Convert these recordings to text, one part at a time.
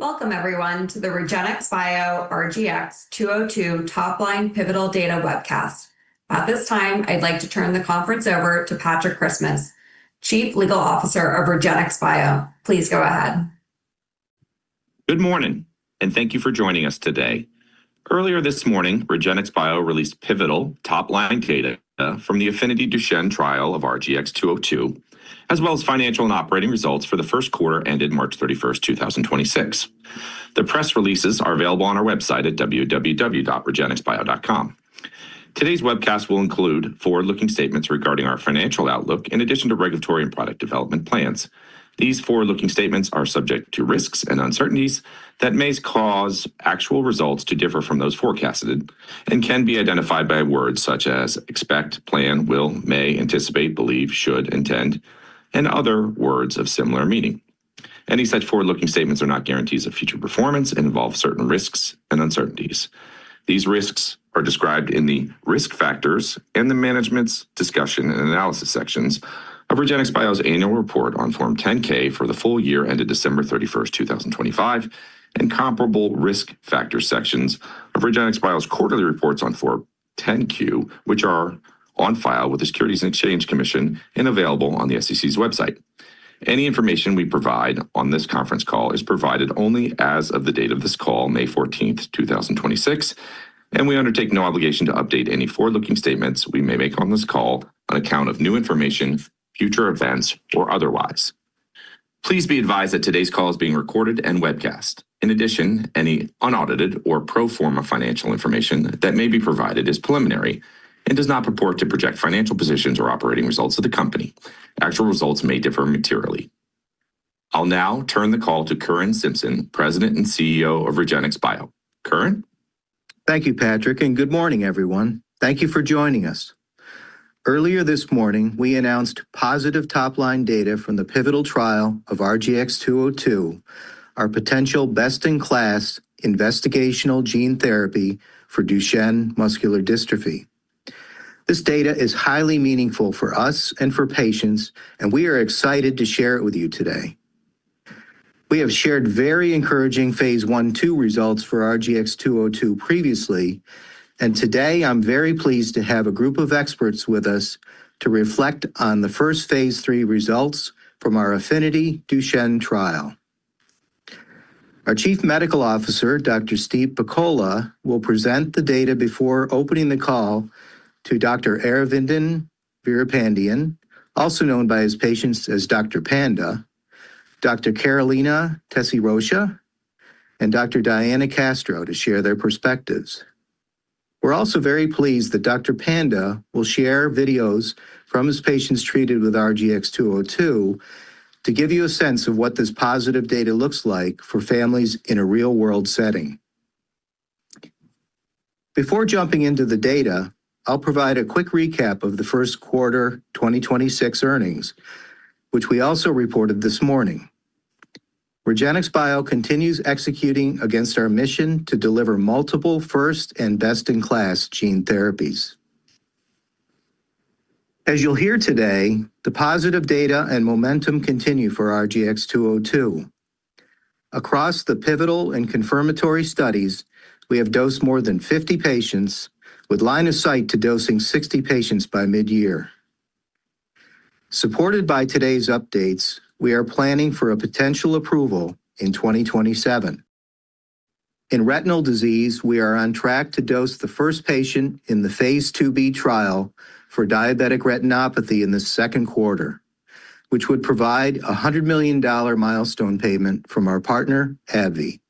Welcome everyone to the REGENXBIO RGX-202 Top Line Pivotal Data webcast. At this time, I'd like to turn the conference over to Patrick Christmas, Chief Legal Officer of REGENXBIO. Please go ahead. Good morning, and thank you for joining us today. Earlier this morning, REGENXBIO released pivotal top-line data from the AFFINITY DUCHENNE trial of RGX-202, as well as financial and operating results for the first quarter ended March 31st, 2026. The press releases are available on our website at www.regenxbio.com. Today's webcast will include forward-looking statements regarding our financial outlook in addition to regulatory and product development plans. These forward-looking statements are subject to risks and uncertainties that may cause actual results to differ from those forecasted and can be identified by words such as expect, plan, will, may, anticipate, believe, should, intend, and other words of similar meaning. Any such forward-looking statements are not guarantees of future performance and involve certain risks and uncertainties. These risks are described in the Risk Factors and the Management's Discussion and Analysis sections of REGENXBIO's annual report on Form 10-K for the full year ended December 31st, 2025 and comparable Risk Factor sections of REGENXBIO's quarterly reports on Form 10-Q, which are on file with the Securities and Exchange Commission and available on the SEC's website. Any information we provide on this conference call is provided only as of the date of this call, May 14th, 2026, and we undertake no obligation to update any forward-looking statements we may make on this call on account of new information, future events, or otherwise. Please be advised that today's call is being recorded and webcast. Any unaudited or pro forma financial information that may be provided is preliminary and does not purport to project financial positions or operating results of the company. Actual results may differ materially. I'll now turn the call to Curran Simpson, President and CEO of REGENXBIO. Curran? Thank you, Patrick. Good morning, everyone. Thank you for joining us. Earlier this morning, we announced positive top-line data from the pivotal trial of RGX-202, our potential best-in-class investigational gene therapy for Duchenne Muscular Dystrophy. This data is highly meaningful for us and for patients. We are excited to share it with you today. We have shared very encouraging phase I/II results for RGX-202 previously. Today I'm very pleased to have a group of experts with us to reflect on the first phase III results from our AFFINITY DUCHENNE trial. Our Chief Medical Officer, Dr. Steve Pakola, will present the data before opening the call to Dr. Aravindhan Veerapandiyan, also known by his patients as Dr. Panda, Dr. Carolina Tesi-Rocha, and Dr. Diana Castro to share their perspectives. We're also very pleased that Dr. Panda will share videos from his patients treated with RGX-202 to give you a sense of what this positive data looks like for families in a real-world setting. Before jumping into the data, I'll provide a quick recap of the first quarter 2026 earnings, which we also reported this morning. REGENXBIO continues executing against our mission to deliver multiple first and best-in-class gene therapies. As you'll hear today, the positive data and momentum continue for RGX-202. Across the pivotal and confirmatory studies, we have dosed more than 50 patients with line of sight to dosing 60 patients by mid-year. Supported by today's updates, we are planning for a potential approval in 2027. In retinal disease, we are on track to dose the first patient in the phase IIB trial for diabetic retinopathy in the second quarter, which would provide a $100 million milestone payment from our partner, AbbVie.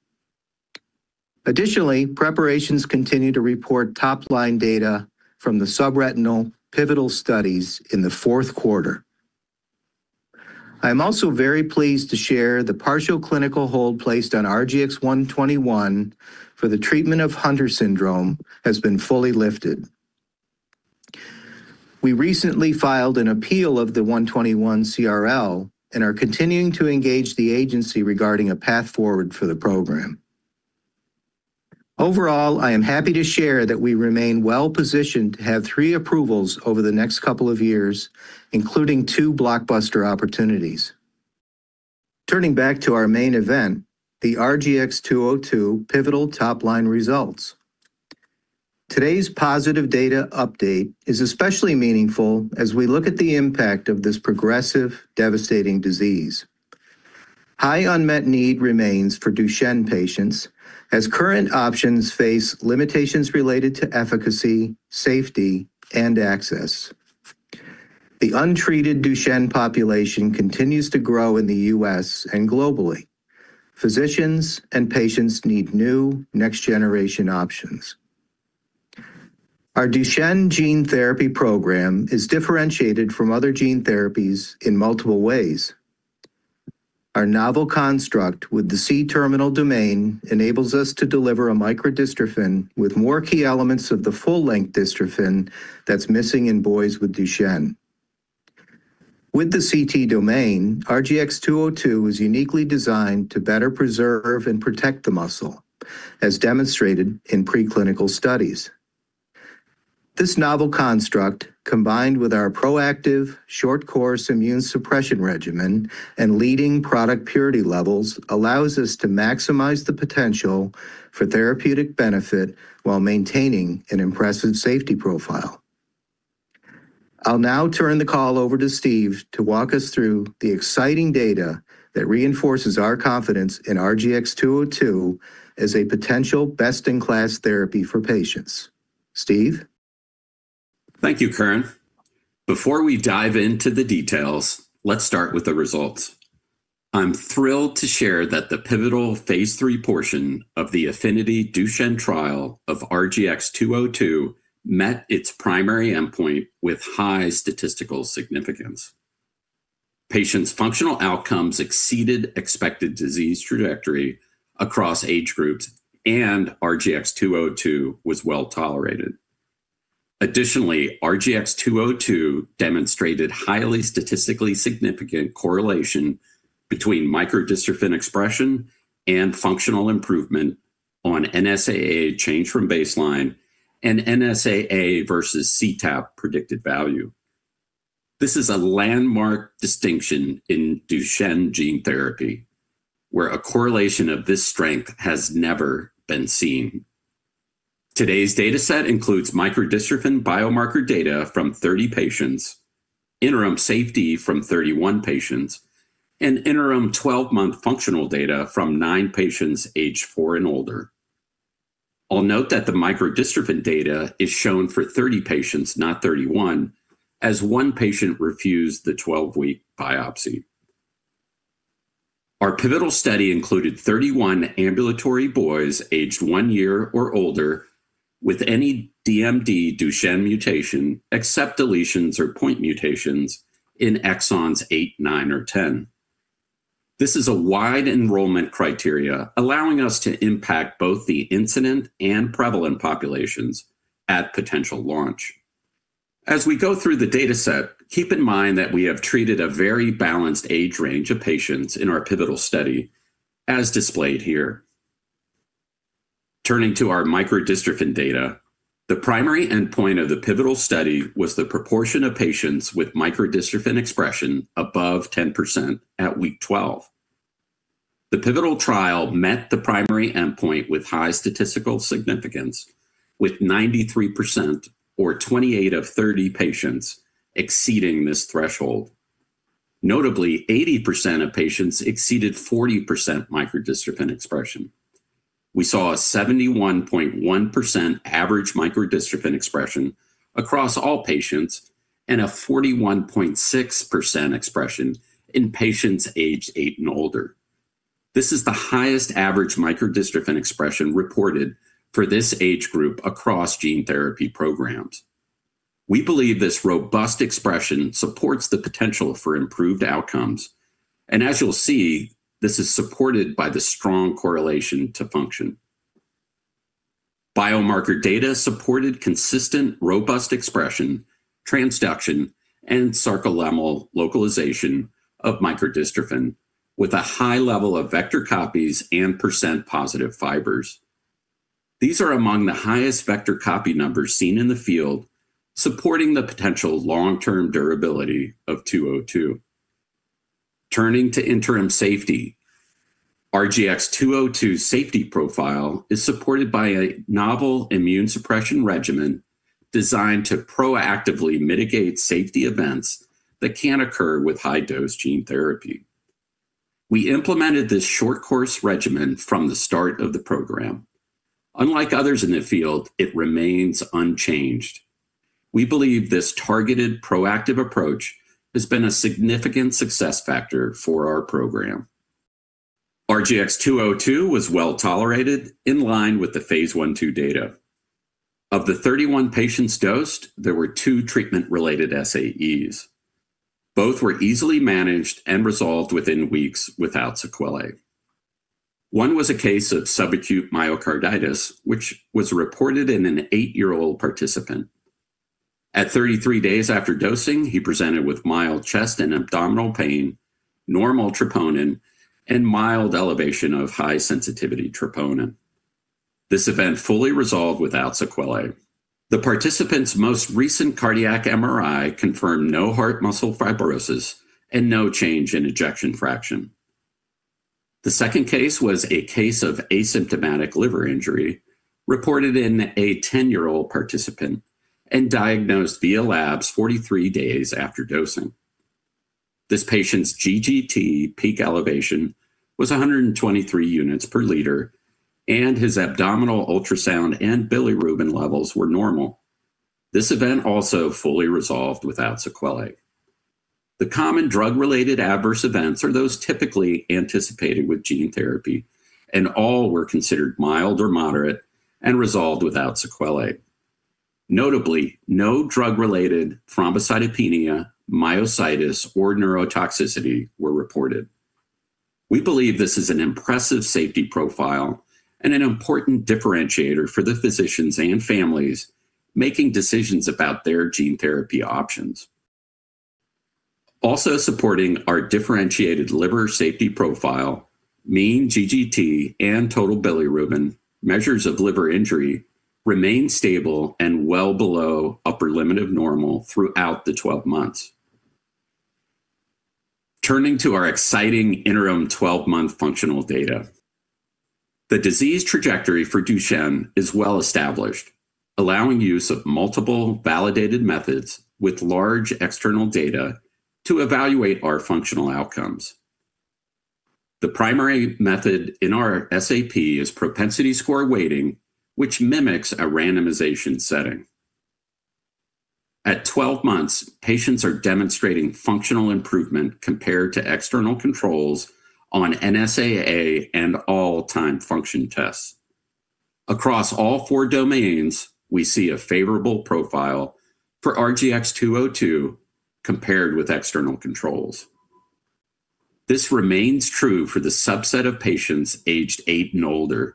Preparations continue to report top-line data from the subretinal pivotal studies in the fourth quarter. I am also very pleased to share the partial clinical hold placed on RGX-121 for the treatment of Hunter syndrome has been fully lifted. We recently filed an appeal of the 121 Complete Response Letters and are continuing to engage the agency regarding a path forward for the program. I am happy to share that we remain well-positioned to have three approvals over the next couple of years, including two blockbuster opportunities. Turning back to our main event, the RGX-202 pivotal top-line results. Today's positive data update is especially meaningful as we look at the impact of this progressive, devastating disease. High unmet need remains for Duchenne patients as current options face limitations related to efficacy, safety, and access. The untreated Duchenne population continues to grow in the U.S. and globally. Physicians and patients need new next-generation options. Our Duchenne gene therapy program is differentiated from other gene therapies in multiple ways. Our novel construct with the C-terminal domain enables us to deliver a microdystrophin with more key elements of the full-length dystrophin that's missing in boys with Duchenne. With the C-Terminal domain, RGX-202 is uniquely designed to better preserve and protect the muscle, as demonstrated in preclinical studies. This novel construct, combined with our proactive short course immune suppression regimen and leading product purity levels, allows us to maximize the potential for therapeutic benefit while maintaining an impressive safety profile. I'll now turn the call over to Steve to walk us through the exciting data that reinforces our confidence in RGX-202 as a potential best-in-class therapy for patients. Steve? Thank you, Curran. Before we dive into the details, let's start with the results. I'm thrilled to share that the pivotal phase III portion of the AFFINITY DUCHENNE trial of RGX-202 met its primary endpoint with high statistical significance. Patients' functional outcomes exceeded expected disease trajectory across age groups, and RGX-202 was well-tolerated. Additionally, RGX-202 demonstrated highly statistically significant correlation between microdystrophin expression and functional improvement on North Star Ambulatory Assessment change from baseline and NSAA versus Collaborative Trajectory Analysis Project predicted value. This is a landmark distinction in Duchenne gene therapy, where a correlation of this strength has never been seen. Today's data set includes microdystrophin biomarker data from 30 patients, interim safety from 31 patients, and interim 12-month functional data from nine patients aged four and older. I'll note that the microdystrophin data is shown for 30 patients, not 31, as one patient refused the 12-week biopsy. Our pivotal study included 31 ambulatory boys aged one year or older with any Duchenne Muscular Dystrophy Duchenne mutation except deletions or point mutations in exons eight, nine, or 10. This is a wide enrollment criteria, allowing us to impact both the incident and prevalent populations at potential launch. As we go through the data set, keep in mind that we have treated a very balanced age range of patients in our pivotal study, as displayed here. Turning to our microdystrophin data, the primary endpoint of the pivotal study was the proportion of patients with microdystrophin expression above 10% at week 12. The pivotal trial met the primary endpoint with high statistical significance, with 93% or 28 of 30 patients exceeding this threshold. Notably, 80% of patients exceeded 40% microdystrophin expression. We saw a 71.1% average microdystrophin expression across all patients and a 41.6% expression in patients aged eight and older. This is the highest average microdystrophin expression reported for this age group across gene therapy programs. We believe this robust expression supports the potential for improved outcomes, and as you'll see, this is supported by the strong correlation to function. Biomarker data supported consistent, robust expression, transduction, and sarcolemmal localization of microdystrophin with a high level of vector copies and percent positive fibers. These are among the highest vector copy numbers seen in the field, supporting the potential long-term durability of 202. Turning to interim safety, RGX-202 safety profile is supported by a novel immune suppression regimen designed to proactively mitigate safety events that can occur with high-dose gene therapy. We implemented this short course regimen from the start of the program. Unlike others in the field, it remains unchanged. We believe this targeted, proactive approach has been a significant success factor for our program. RGX-202 was well-tolerated in line with the phase I, phase II data. Of the 31 patients dosed, there were two treatment-related serious adverse events. Both were easily managed and resolved within weeks without sequelae. One was a case of subacute myocarditis, which was reported in an eight-year-old participant. At 33 days after dosing, he presented with mild chest and abdominal pain, normal troponin, and mild elevation of high-sensitivity troponin. This event fully resolved without sequelae. The participant's most recent cardiac Magnetic Resonance Imaging confirmed no heart muscle fibrosis and no change in ejection fraction. The second case was a case of asymptomatic liver injury reported in a 10-year-old participant and diagnosed via labs 43 days after dosing. This patient's Gamma-Glutamyl Transferase peak elevation was 123 units per liter, and his abdominal ultrasound and bilirubin levels were normal. This event also fully resolved without sequelae. The common drug-related adverse events are those typically anticipated with gene therapy. All were considered mild or moderate and resolved without sequelae. Notably, no drug-related thrombocytopenia, myositis, or neurotoxicity were reported. We believe this is an impressive safety profile and an important differentiator for the physicians and families making decisions about their gene therapy options. Also supporting our differentiated liver safety profile, mean GGT and total bilirubin measures of liver injury remain stable and well below upper limit of normal throughout the 12 months. Turning to our exciting interim 12-month functional data. The disease trajectory for Duchenne is well established, allowing use of multiple validated methods with large external data to evaluate our functional outcomes. The primary method in our Statistical Analysis Plan is propensity score weighting, which mimics a randomization setting. At 12 months, patients are demonstrating functional improvement compared to external controls on North Star Ambulatory Assessment and all Timed Function Tests. Across all four domains, we see a favorable profile for RGX-202 compared with external controls. This remains true for the subset of patients aged eight and older.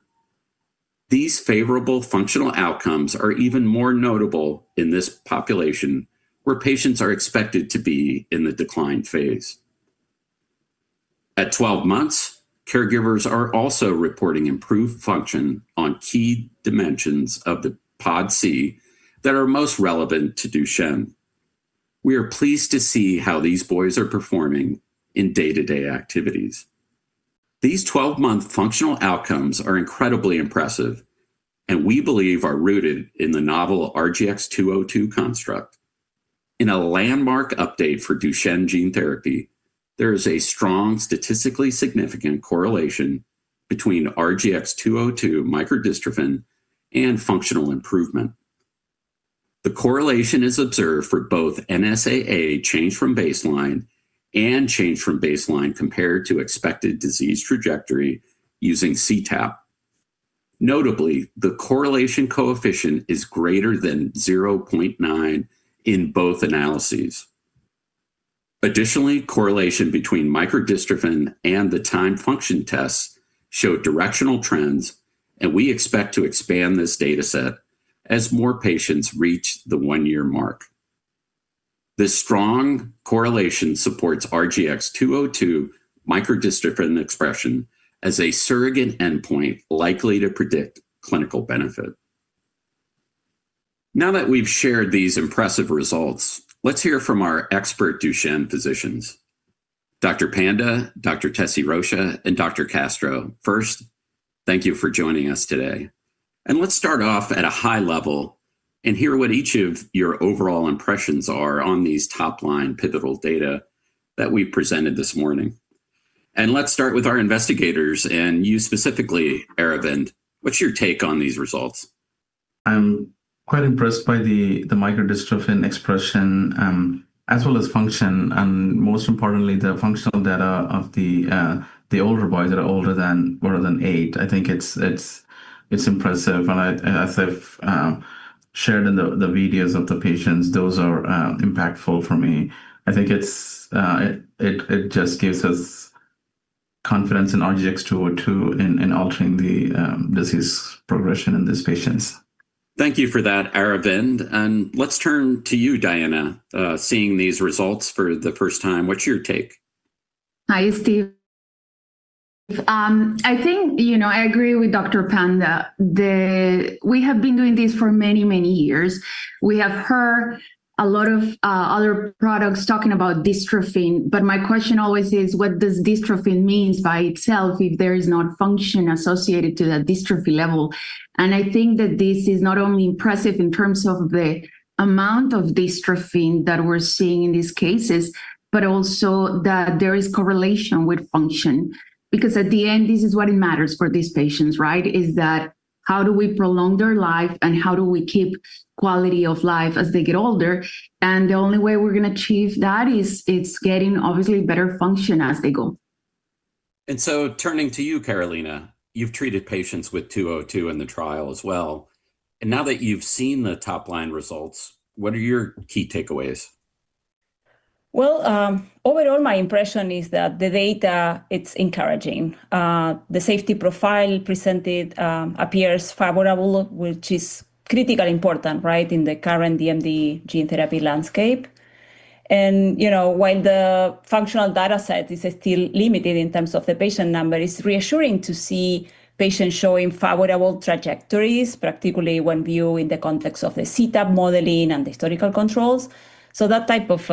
These favorable functional outcomes are even more notable in this population where patients are expected to be in the decline phase. At 12 months, caregivers are also reporting improved function on key dimensions of the Pediatric Outcomes Data Collection Instrument that are most relevant to Duchenne. We are pleased to see how these boys are performing in day-to-day activities. These 12-month functional outcomes are incredibly impressive and we believe are rooted in the novel RGX-202 construct. In a landmark update for Duchenne gene therapy, there is a strong statistically significant correlation between RGX-202 microdystrophin and functional improvement. The correlation is observed for both NSAA change from baseline and change from baseline compared to expected disease trajectory using cTAP. Notably, the correlation coefficient is greater than 0.9 in both analyses. Additionally, correlation between microdystrophin and the Timed Function Tests show directional trends, and we expect to expand this data set as more patients reach the one-year mark. This strong correlation supports RGX-202 microdystrophin expression as a surrogate endpoint likely to predict clinical benefit. Now that we've shared these impressive results, let's hear from our expert Duchenne physicians, Dr. Panda, Dr. Tesi-Rocha, and Dr. Castro. First, thank you for joining us today. Let's start off at a high level and hear what each of your overall impressions are on these top-line pivotal data that we presented this morning. Let's start with our investigators and you specifically, Aravindhan. What's your take on these results? I'm quite impressed by the microdystrophin expression, as well as function, and most importantly, the functional data of the older boys that are older than eight. I think it's impressive. I, as I've shared in the videos of the patients, those are impactful for me. I think it just gives us confidence in RGX-202 in altering the disease progression in these patients. Thank you for that, Aravindhan. Let's turn to you, Diana. Seeing these results for the first time, what's your take? Hi, Steve. I think, you know, I agree with Dr. Panda. We have been doing this for many, many years. We have heard a lot of other products talking about dystrophin, but my question always is, what does dystrophin means by itself if there is not function associated to that dystrophin level? I think that this is not only impressive in terms of the amount of dystrophin that we're seeing in these cases, but also that there is correlation with function. At the end, this is what it matters for these patients, right? Is that how do we prolong their life and how do we keep quality of life as they get older? The only way we're gonna achieve that is getting obviously better function as they go. Turning to you, Carolina, you've treated patients with 202 in the trial as well. Now that you've seen the top line results, what are your key takeaways? Overall, my impression is that the data, it's encouraging. The safety profile presented appears favorable, which is critically important, right, in the current DMD gene therapy landscape. You know, when the functional data set is still limited in terms of the patient number, it's reassuring to see patients showing favorable trajectories, particularly when viewed in the context of the cTAP modeling and historical controls. That type of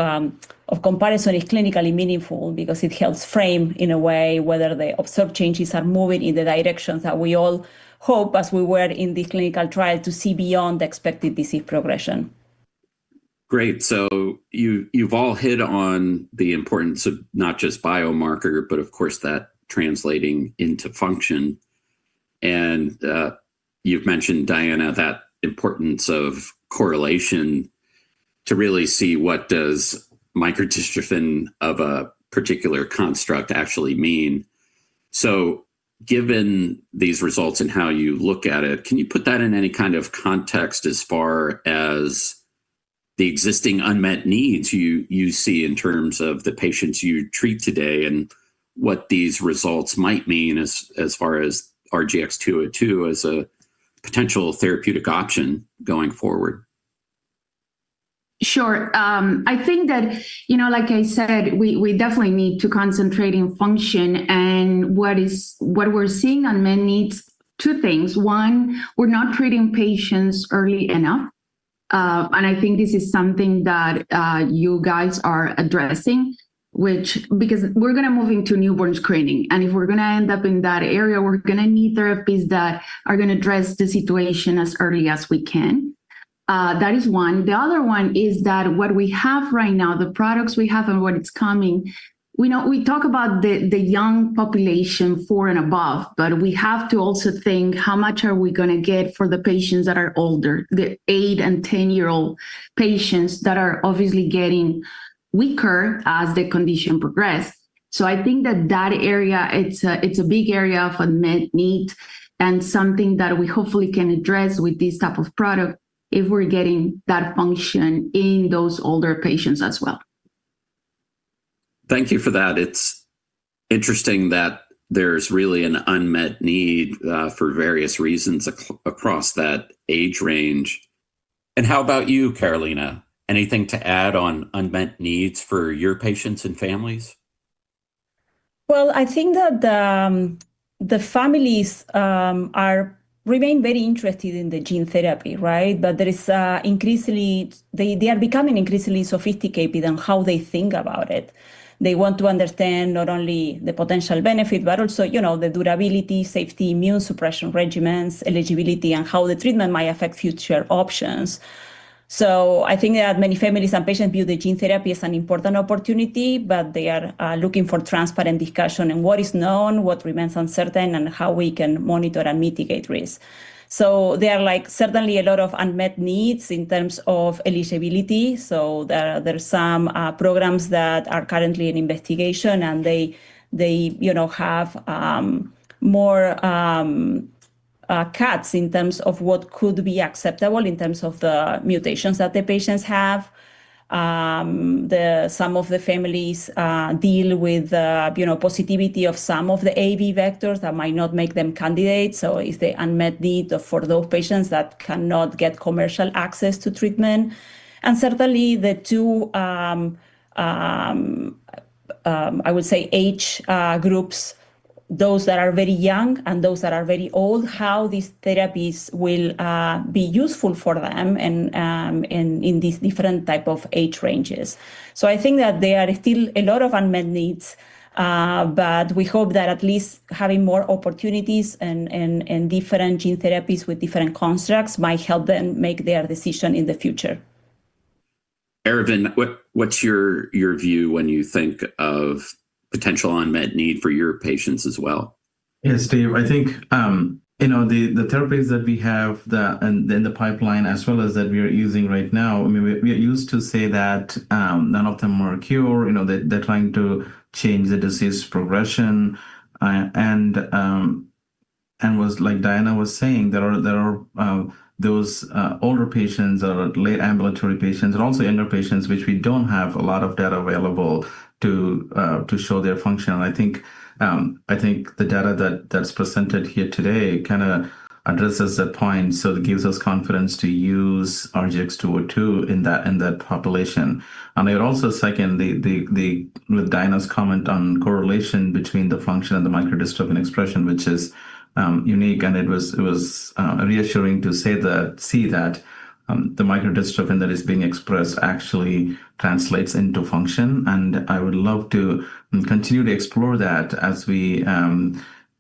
comparison is clinically meaningful because it helps frame in a way whether the observed changes are moving in the directions that we all hope as we were in the clinical trial to see beyond the expected disease progression. Great. You, you've all hit on the importance of not just biomarker, but of course that translating into function. You've mentioned, Diana, that importance of correlation to really see what does microdystrophin of a particular construct actually mean. Given these results and how you look at it, can you put that in any kind of context as far as the existing unmet needs you see in terms of the patients you treat today and what these results might mean as far as RGX-202 as a potential therapeutic option going forward. Sure. I think that, you know, like I said, we definitely need to concentrate in function, and what is what we're seeing unmet needs, two things. One, we're not treating patients early enough, and I think this is something that, you guys are addressing, which because we're gonna move into newborn screening, and if we're gonna end up in that area, we're gonna need therapies that are gonna address the situation as early as we can. That is one. The other one is that what we have right now, the products we have and what it's coming, we know we talk about the young population four and above, but we have to also think how much are we gonna get for the patients that are older, the age and 10-year-old patients that are obviously getting weaker as the condition progress. I think that that area, it's a big area of unmet need and something that we hopefully can address with this type of product if we're getting that function in those older patients as well. Thank you for that. It's interesting that there's really an unmet need for various reasons across that age range. How about you, Carolina? Anything to add on unmet needs for your patients and families? I think that the families are remain very interested in the gene therapy, right? Increasingly they are becoming increasingly sophisticated on how they think about it. They want to understand not only the potential benefit, but also, you know, the durability, safety, immune suppression regimens, eligibility, and how the treatment might affect future options. I think that many families and patients view the gene therapy as an important opportunity, but they are looking for transparent discussion in what is known, what remains uncertain, and how we can monitor and mitigate risk. There are, like, certainly a lot of unmet needs in terms of eligibility, there are some programs that are currently in investigation and they, you know, have more cuts in terms of what could be acceptable in terms of the mutations that the patients have. The some of the families deal with, you know, positivity of some of the Adeno-Associated Virus vectors that might not make them candidates, so it's a unmet need for those patients that cannot get commercial access to treatment. Certainly the two, I would say age groups, those that are very young and those that are very old, how these therapies will be useful for them and in these different type of age ranges. I think that there are still a lot of unmet needs, but we hope that at least having more opportunities and different gene therapies with different constructs might help them make their decision in the future. Aravindhan, what's your view when you think of potential unmet need for your patients as well? Yes, Steve. I think, you know, the therapies that we have and in the pipeline as well as that we are using right now, I mean, we used to say that, none of them were a cure. You know, they're trying to change the disease progression. Like Diana was saying, there are those older patients or late ambulatory patients and also younger patients which we don't have a lot of data available to show their function. I think the data that's presented here today kind of addresses that point, so it gives us confidence to use RGX-202 in that population. I would also second with Diana's comment on correlation between the function and the microdystrophin expression, which is unique, and it was reassuring to see that the microdystrophin that is being expressed actually translates into function, and I would love to continue to explore that as we look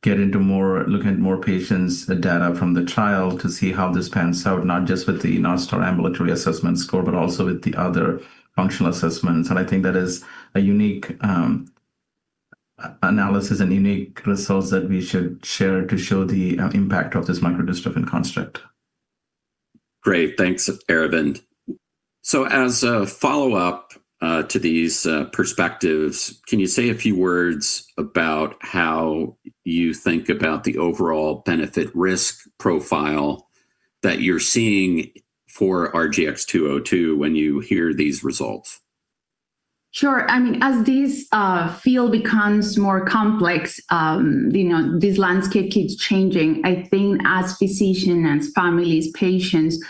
at more patients, the data from the trial to see how this pans out, not just with the North Star Ambulatory Assessment Score, but also with the other functional assessments. I think that is a unique analysis and unique results that we should share to show the impact of this microdystrophin construct. Great. Thanks, Aravindhan. As a follow-up to these perspectives, can you say a few words about how you think about the overall benefit risk profile that you're seeing for RGX-202 when you hear these results? Sure. I mean, as this field becomes more complex, you know, this landscape keeps changing. I think as physician, as families, patients,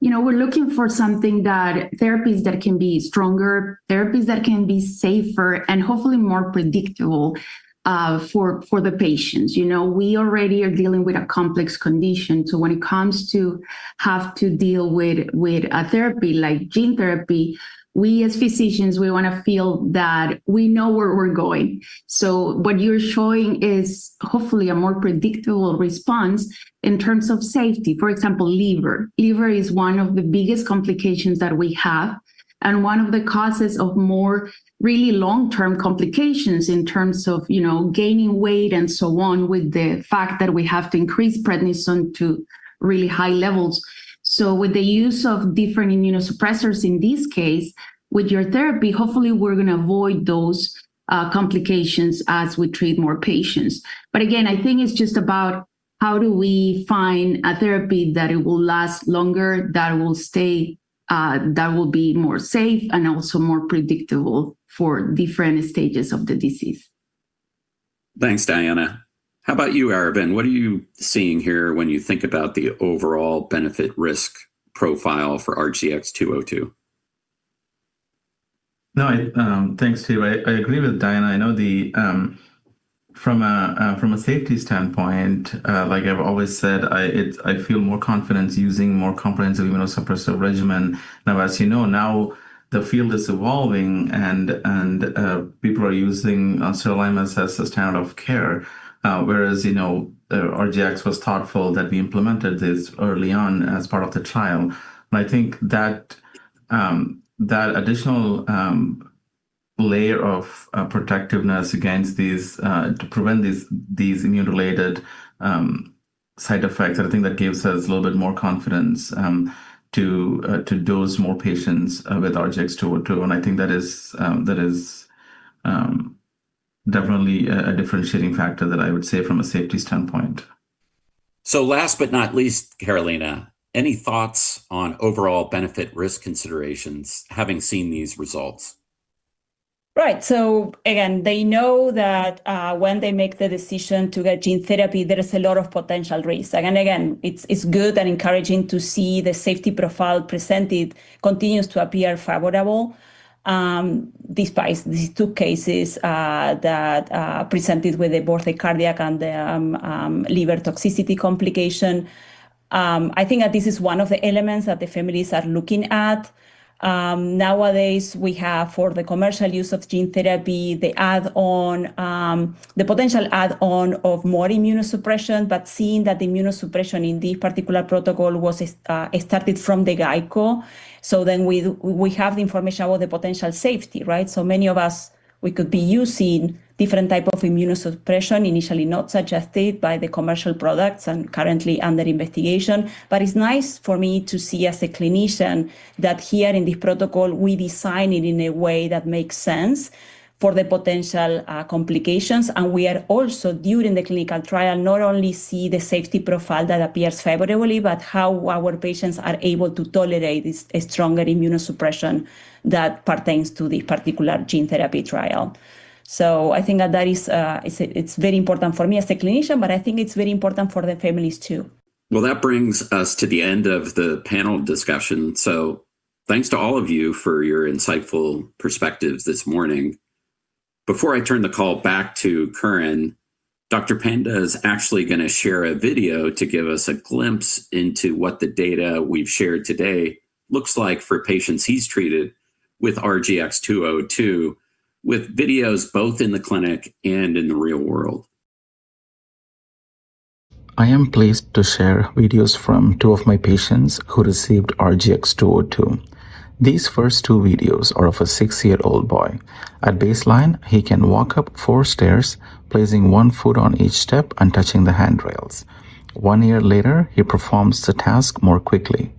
you know, we're looking for something that therapies that can be stronger, therapies that can be safer, and hopefully more predictable for the patients. You know, we already are dealing with a complex condition. When it comes to have to deal with a therapy like gene therapy, we as physicians, we wanna feel that we know where we're going. What you're showing is hopefully a more predictable response in terms of safety. For example, liver. Liver is one of the biggest complications that we have and one of the causes of more really long-term complications in terms of, you know, gaining weight and so on with the fact that we have to increase prednisone to really high levels. With the use of different immunosuppressants in this case, with your therapy, hopefully we're gonna avoid those complications as we treat more patients. Again, I think it's just about how do we find a therapy that it will last longer, that will stay, that will be more safe and also more predictable for different stages of the disease. Thanks, Diana. How about you, Aravindhan? What are you seeing here when you think about the overall benefit risk profile for RGX-202? No, I, thanks, Steve. I agree with Diana. I know the, from a, from a safety standpoint, like I've always said, I feel more confidence using more comprehensive immunosuppressive regimen. As you know, the field is evolving and people are using sirolimus as the standard of care, whereas, you know, RGX was thoughtful that we implemented this early on as part of the trial. I think that additional layer of protectiveness against these to prevent these immune-related side effects, I think that gives us a little bit more confidence to dose more patients with RGX-202, and I think that is, that is definitely a differentiating factor that I would say from a safety standpoint. Last but not least, Carolina, any thoughts on overall benefit risk considerations having seen these results? Right. Again, they know that when they make the decision to get gene therapy, there is a lot of potential risk. Again, it's good and encouraging to see the safety profile presented continues to appear favorable, despite these two cases that presented with both the cardiac and the liver toxicity complication. I think that this is one of the elements that the families are looking at. Nowadays, we have for the commercial use of gene therapy, the add-on, the potential add-on of more immunosuppression, but seeing that the immunosuppression in this particular protocol was started from the get-go. We have the information about the potential safety, right? Many of us, we could be using different type of immunosuppression initially not suggested by the commercial products and currently under investigation. It's nice for me to see as a clinician that here in the protocol, we design it in a way that makes sense for the potential complications. We are also during the clinical trial not only see the safety profile that appears favorably, but how our patients are able to tolerate this stronger immunosuppression that pertains to the particular gene therapy trial. I think that that is, it's very important for me as a clinician, but I think it's very important for the families too. Well, that brings us to the end of the panel discussion. Thanks to all of you for your insightful perspectives this morning. Before I turn the call back to Curran, Dr. Panda is actually gonna share a video to give us a glimpse into what the data we've shared today looks like for patients he's treated with RGX-202 with videos both in the clinic and in the real world. I am pleased to share videos from two of my patients who received RGX-202. These first two videos are of a six-year-old boy. At baseline, he can walk up four stairs, placing one foot on each step and touching the handrails. One year later, he performs the task more quickly.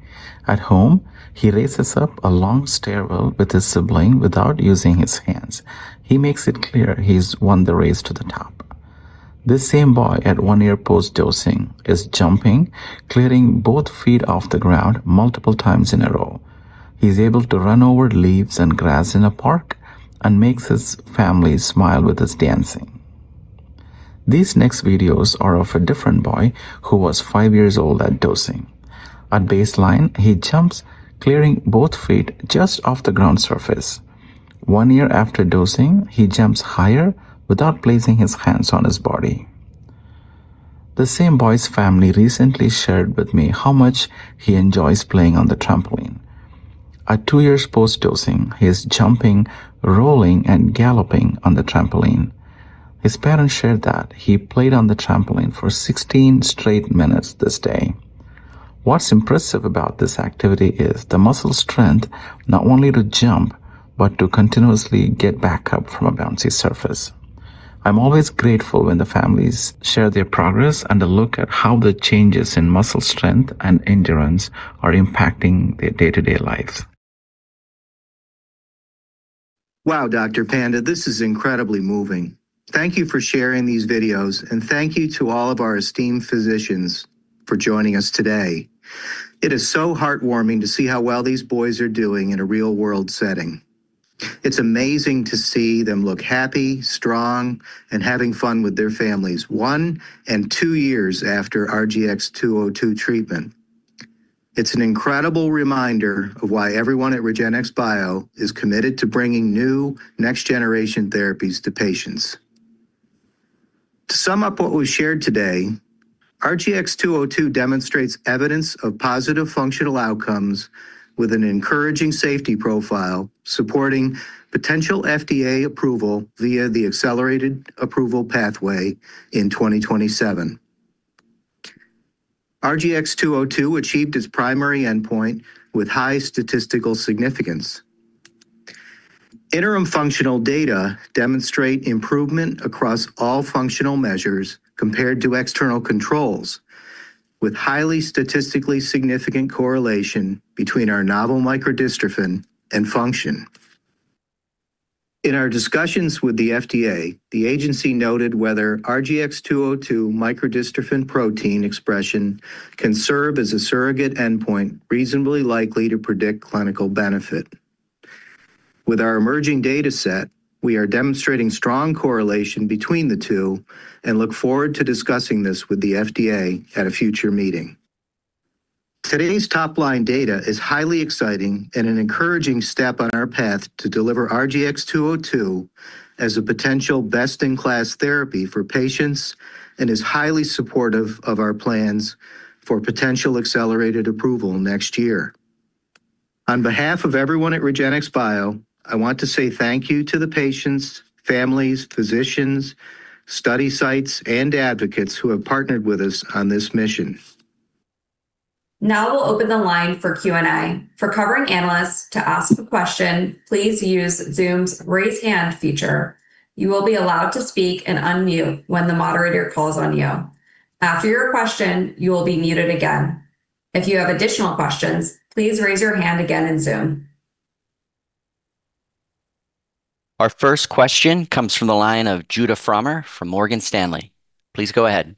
At home, he races up a long stairwell with his sibling without using his hands. He makes it clear he's won the race to the top. This same boy at one year post-dosing is jumping, clearing both feet off the ground multiple times in a row. He's able to run over leaves and grass in a park and makes his family smile with his dancing. These next videos are of a different boy who was five years old at dosing. At baseline, he jumps, clearing both feet just off the ground surface. One year after dosing, he jumps higher without placing his hands on his body. The same boy's family recently shared with me how much he enjoys playing on the trampoline. At two years post-dosing, he is jumping, rolling, and galloping on the trampoline. His parents shared that he played on the trampoline for 16 straight minutes this day. What's impressive about this activity is the muscle strength not only to jump, but to continuously get back up from a bouncy surface. I'm always grateful when the families share their progress and a look at how the changes in muscle strength and endurance are impacting their day-to-day lives. Wow, Dr. Panda, this is incredibly moving. Thank you for sharing these videos, and thank you to all of our esteemed physicians for joining us today. It is so heartwarming to see how well these boys are doing in a real-world setting. It's amazing to see them look happy, strong, and having fun with their families one and two years after RGX-202 treatment. It's an incredible reminder of why everyone at REGENXBIO is committed to bringing new next-generation therapies to patients. To sum up what was shared today, RGX-202 demonstrates evidence of positive functional outcomes with an encouraging safety profile supporting potential FDA approval via the accelerated approval pathway in 2027. RGX-202 achieved its primary endpoint with high statistical significance. Interim functional data demonstrate improvement across all functional measures compared to external controls, with highly statistically significant correlation between our novel microdystrophin and function. In our discussions with the FDA, the agency noted whether RGX-202 microdystrophin protein expression can serve as a surrogate endpoint reasonably likely to predict clinical benefit. With our emerging data set, we are demonstrating strong correlation between the two and look forward to discussing this with the FDA at a future meeting. Today's top-line data is highly exciting and an encouraging step on our path to deliver RGX-202 as a potential best-in-class therapy for patients and is highly supportive of our plans for potential accelerated approval next year. On behalf of everyone at REGENXBIO, I want to say thank you to the patients, families, physicians, study sites, and advocates who have partnered with us on this mission. Now we'll open the line for Q&A. For covering analysts to ask a question, please use Zoom's raise hand feature. You will be allowed to speak and unmute when the moderator calls on you. After your question, you will be muted again. If you have additional questions, please raise your hand again in Zoom. Our first question comes from the line of Judah Frommer from Morgan Stanley. Please go ahead.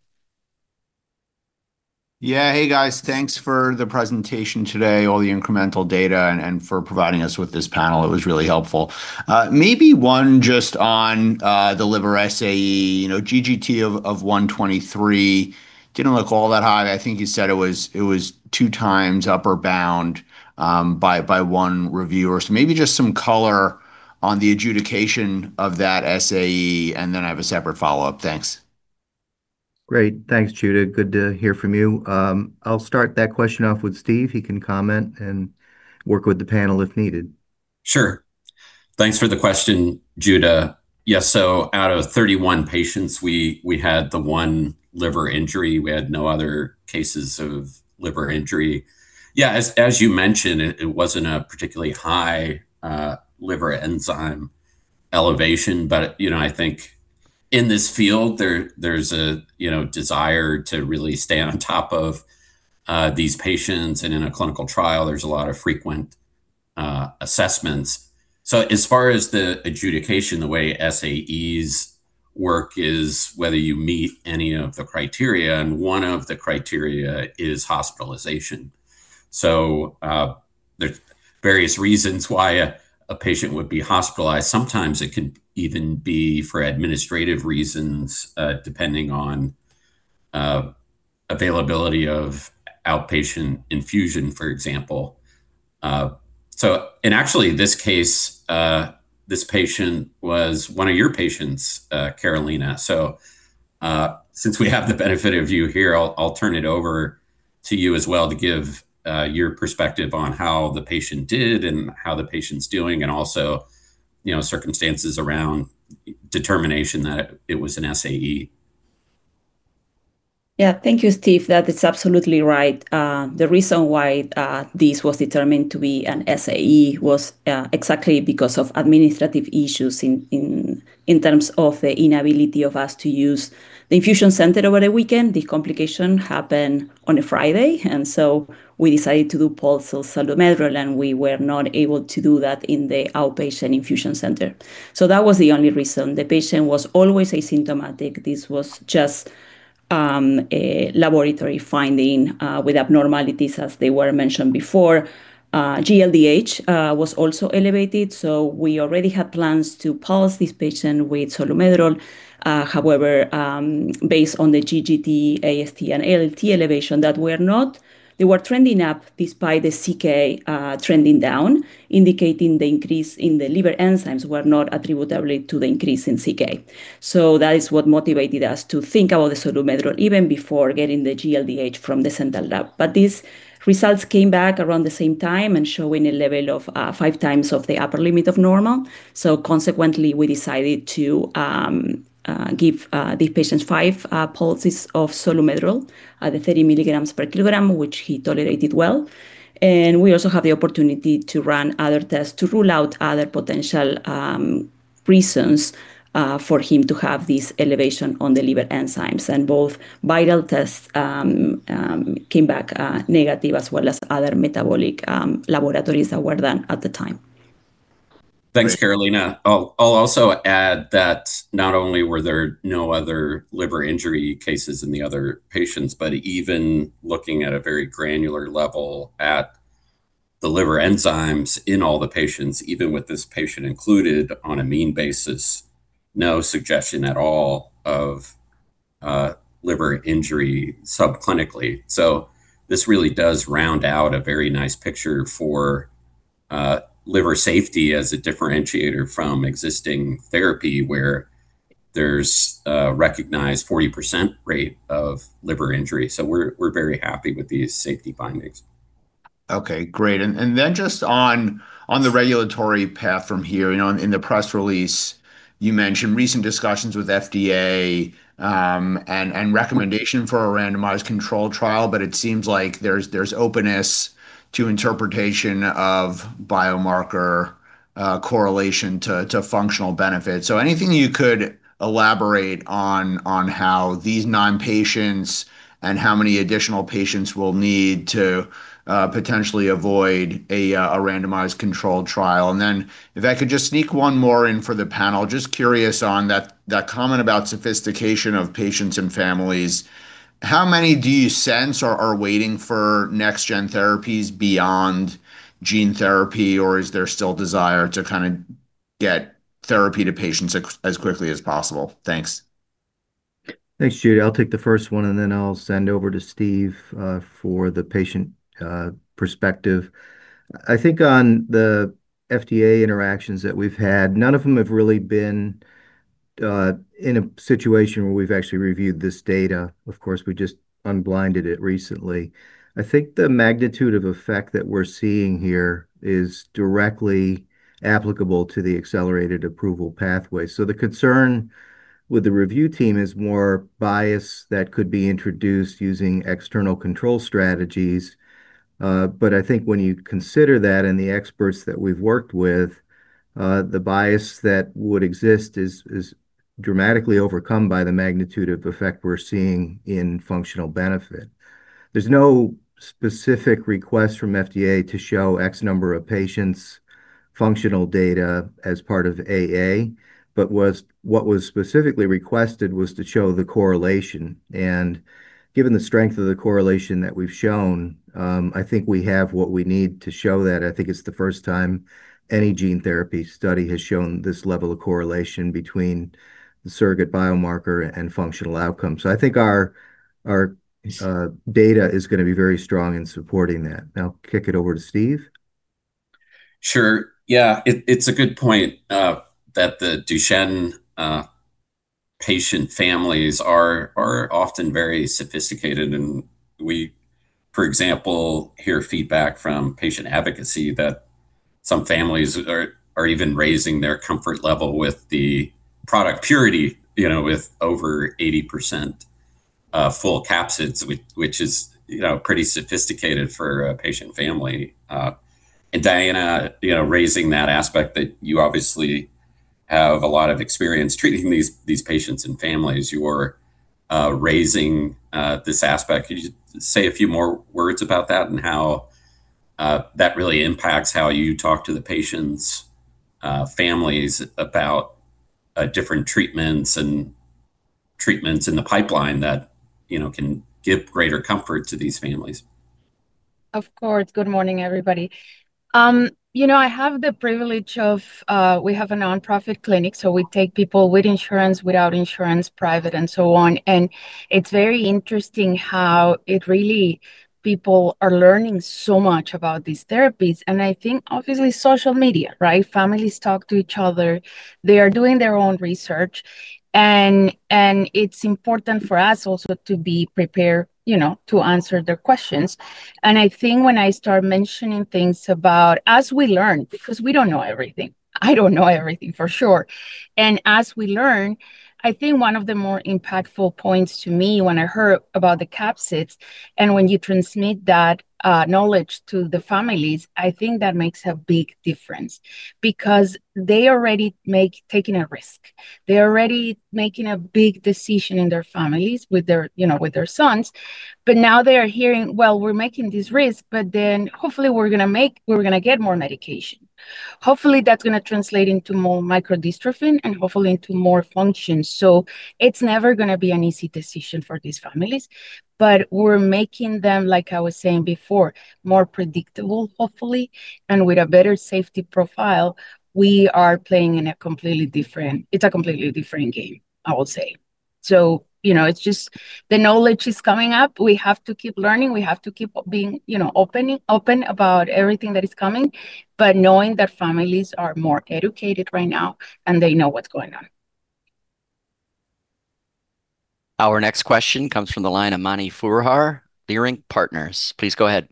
Yeah. Hey, guys. Thanks for the presentation today, all the incremental data, and for providing us with this panel. It was really helpful. Maybe one just on the liver SAE. You know, GGT of 123 didn't look all that high. I think you said it was 2x upper bound by one reviewer. Maybe just some color on the adjudication of that SAE, and then I have a separate follow-up. Thanks. Great. Thanks, Judah. Good to hear from you. I'll start that question off with Steve. He can comment and work with the panel if needed. Sure. Thanks for the question, Judah. Yeah, out of 31 patients, we had the one liver injury. We had no other cases of liver injury. Yeah, as you mentioned, it wasn't a particularly high liver enzyme elevation. You know, I think in this field, there's a, you know, desire to really stay on top of these patients, and in a clinical trial there's a lot of frequent assessments. As far as the adjudication, the way SAEs work is whether you meet any of the criteria, and one of the criteria is hospitalization. There's various reasons why a patient would be hospitalized. Sometimes it can even be for administrative reasons, depending on availability of outpatient infusion, for example. Actually, this case, this patient was one of your patients, Carolina. Since we have the benefit of you here, I'll turn it over to you as well to give your perspective on how the patient did and how the patient's doing and also, you know, circumstances around determination that it was an SAE. Thank you, Steve. That is absolutely right. The reason why this was determined to be an SAE was exactly because of administrative issues in terms of the inability of us to use the infusion center over the weekend. The complication happened on a Friday, we decided to do pulse of SOLU-MEDROL, and we were not able to do that in the outpatient infusion center. That was the only reason. The patient was always asymptomatic. This was just a laboratory finding with abnormalities as they were mentioned before. Glutamate Dehydrogenase was also elevated, we already had plans to pulse this patient with SOLU-MEDROL. However, based on the GGT, Aspartate Aminotransferase, and Alanine Aminotransferase elevation that were trending up despite the Creatine Kinase trending down, indicating the increase in the liver enzymes were not attributable to the increase in CK. That is what motivated us to think about the SOLU-MEDROL even before getting the GLDH from the central lab. These results came back around the same time and showing a level of 5x of the upper limit of normal. Consequently, we decided to give the patient five pulses of SOLU-MEDROL at the 30mg/kg, which he tolerated well. We also have the opportunity to run other tests to rule out other potential reasons for him to have this elevation on the liver enzymes. Both viral tests came back negative, as well as other metabolic laboratories that were done at the time. Thanks, Carolina. I'll also add that not only were there no other liver injury cases in the other patients, but even looking at a very granular level at the liver enzymes in all the patients, even with this patient included, on a mean basis, no suggestion at all of liver injury subclinically. This really does round out a very nice picture for liver safety as a differentiator from existing therapy where there's a recognized 40% rate of liver injury. We're very happy with these safety findings. Okay, great. Just on the regulatory path from here. You know, in the press release you mentioned recent discussions with FDA and recommendation for a randomized controlled trial. It seems like there's openness to interpretation of biomarker correlation to functional benefits. Anything you could elaborate on how these nine patients and how many additional patients will need to potentially avoid a randomized controlled trial? If I could just sneak one more in for the panel. Just curious on that comment about sophistication of patients and families. How many do you sense are waiting for next gen therapies beyond gene therapy, or is there still desire to kinda get therapy to patients as quickly as possible? Thanks. Thanks, Judah Frommer. I'll take the first one, then I'll send over to Steve Pakola for the patient perspective. I think on the FDA interactions that we've had, none of them have really been in a situation where we've actually reviewed this data. Of course, we just unblinded it recently. I think the magnitude of effect that we're seeing here is directly applicable to the accelerated approval pathway. The concern with the review team is more bias that could be introduced using external control strategies. I think when you consider that and the experts that we've worked with, the bias that would exist is dramatically overcome by the magnitude of effect we're seeing in functional benefit. There's no specific request from FDA to show X number of patients' functional data as part of AA. What was specifically requested was to show the correlation, and given the strength of the correlation that we've shown, I think we have what we need to show that. I think it's the first time any gene therapy study has shown this level of correlation between the surrogate biomarker and functional outcome. I think our data is gonna be very strong in supporting that. I'll kick it over to Steve. Sure. Yeah. It, it's a good point that the Duchenne patient families are often very sophisticated and we, for example, hear feedback from patient advocacy that some families are even raising their comfort level with the product purity, you know, with over 80% full capsids, which is, you know, pretty sophisticated for a patient family. Diana, you know, raising that aspect that you obviously have a lot of experience treating these patients and families. You were raising this aspect. Could you say a few more words about that and how that really impacts how you talk to the patients' families about different treatments and treatments in the pipeline that, you know, can give greater comfort to these families? Of course. Good morning, everybody. You know, I have the privilege of, we have a nonprofit clinic, so we take people with insurance, without insurance, private, and so on. It's very interesting how people are learning so much about these therapies, I think obviously social media, right? Families talk to each other. They are doing their own research. It's important for us also to be prepared, you know, to answer their questions. I think when I start mentioning things about as we learn, because we don't know everything. I don't know everything for sure. As we learn, I think one of the more impactful points to me when I heard about the capsids and when you transmit that knowledge to the families, I think that makes a big difference because they already make taking a risk. They're already making a big decision in their families with their, you know, with their sons. Now they are hearing, "Well, we're making this risk, but then hopefully we're gonna get more medication. Hopefully, that's gonna translate into more microdystrophin and hopefully into more function." It's never gonna be an easy decision for these families, but we're making them, like I was saying before, more predictable, hopefully. With a better safety profile, we are playing in a completely different game, I will say. You know, it's just the knowledge is coming up. We have to keep learning. We have to keep being, you know, open about everything that is coming, but knowing that families are more educated right now, and they know what's going on. Our next question comes from the line of Mani Foroohar, Leerink Partners. Please go ahead.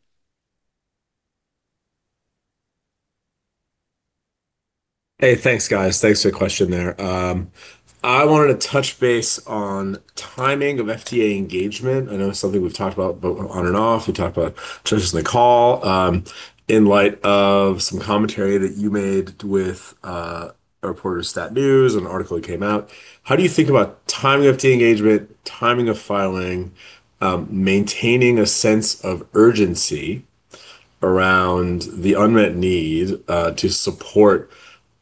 Hey, thanks, guys. Thanks for the question there. I wanted to touch base on timing of FDA engagement. I know it's something we've talked about both on and off. We talked about it just on the call, in light of some commentary that you made with a reporter at STAT News and an article that came out. How do you think about timing of FDA engagement, timing of filing, maintaining a sense of urgency around the unmet need, to support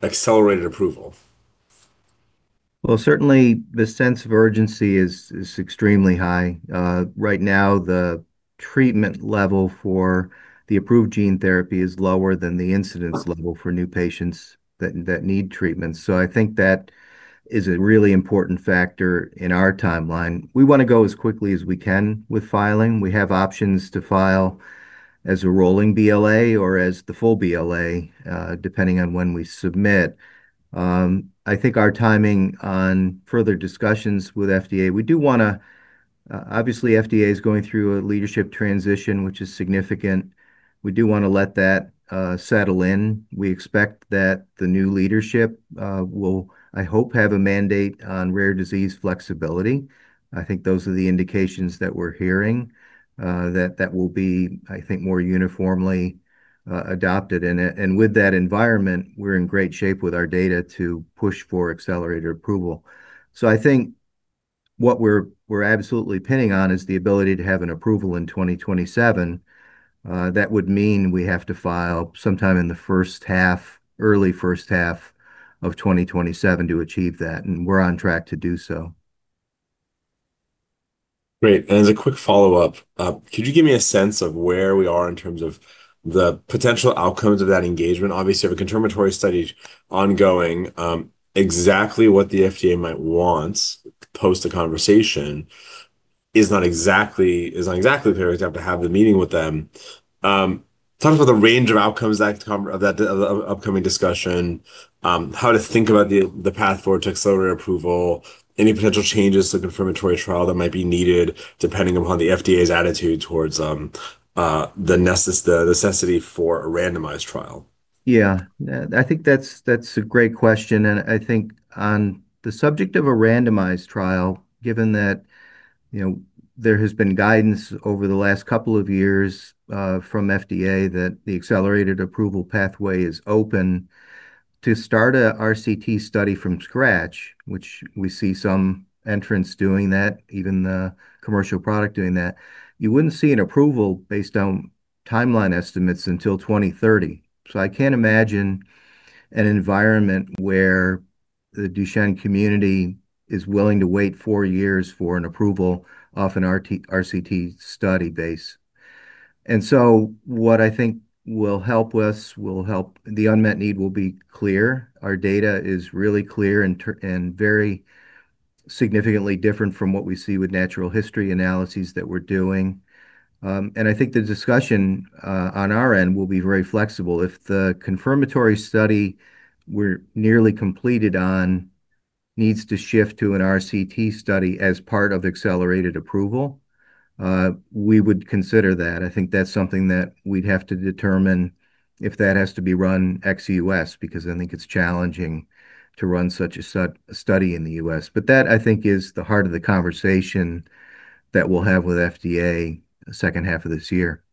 accelerated approval? Certainly the sense of urgency is extremely high. Right now the treatment level for the approved gene therapy is lower than the incidence level for new patients that need treatment. I think that is a really important factor in our timeline. We wanna go as quickly as we can with filing. We have options to file as a rolling Biologics License Application or as the full BLA, depending on when we submit. I think our timing on further discussions with FDA, we do wanna, obviously FDA is going through a leadership transition, which is significant. We do wanna let that settle in. We expect that the new leadership will, I hope, have a mandate on rare disease flexibility. I think those are the indications that we're hearing that will be, I think, more uniformly adopted. With that environment, we're in great shape with our data to push for accelerated approval. I think what we're absolutely pinning on is the ability to have an approval in 2027. That would mean we have to file sometime in the first half, early first half of 2027 to achieve that, and we're on track to do so. Great. As a quick follow-up, could you give me a sense of where we are in terms of the potential outcomes of that engagement? Obviously, if a confirmatory study is ongoing, exactly what the FDA might want post the conversation is not exactly fair example to have the meeting with them. Talk about the range of outcomes that come of that of the upcoming discussion, how to think about the path forward to accelerated approval, any potential changes to the confirmatory trial that might be needed depending upon the FDA's attitude towards the necessity for a randomized trial. Yeah, I think that's a great question. I think on the subject of a randomized trial, given that, you know, there has been guidance over the last couple of years from FDA that the accelerated approval pathway is open, to start a RCT study from scratch, which we see some entrants doing that, even the commercial product doing that, you wouldn't see an approval based on timeline estimates until 2030. I can't imagine an environment where the Duchenne community is willing to wait four years for an approval off an RCT study base. What I think will help the unmet need will be clear. Our data is really clear and very significantly different from what we see with natural history analyses that we're doing. I think the discussion on our end will be very flexible. If the confirmatory study we're nearly completed on needs to shift to an RCT study as part of accelerated approval, we would consider that. I think that's something that we'd have to determine if that has to be run ex-U.S., because I think it's challenging to run such a study in the U.S. That, I think, is the heart of the conversation that we'll have with FDA the second half of this year.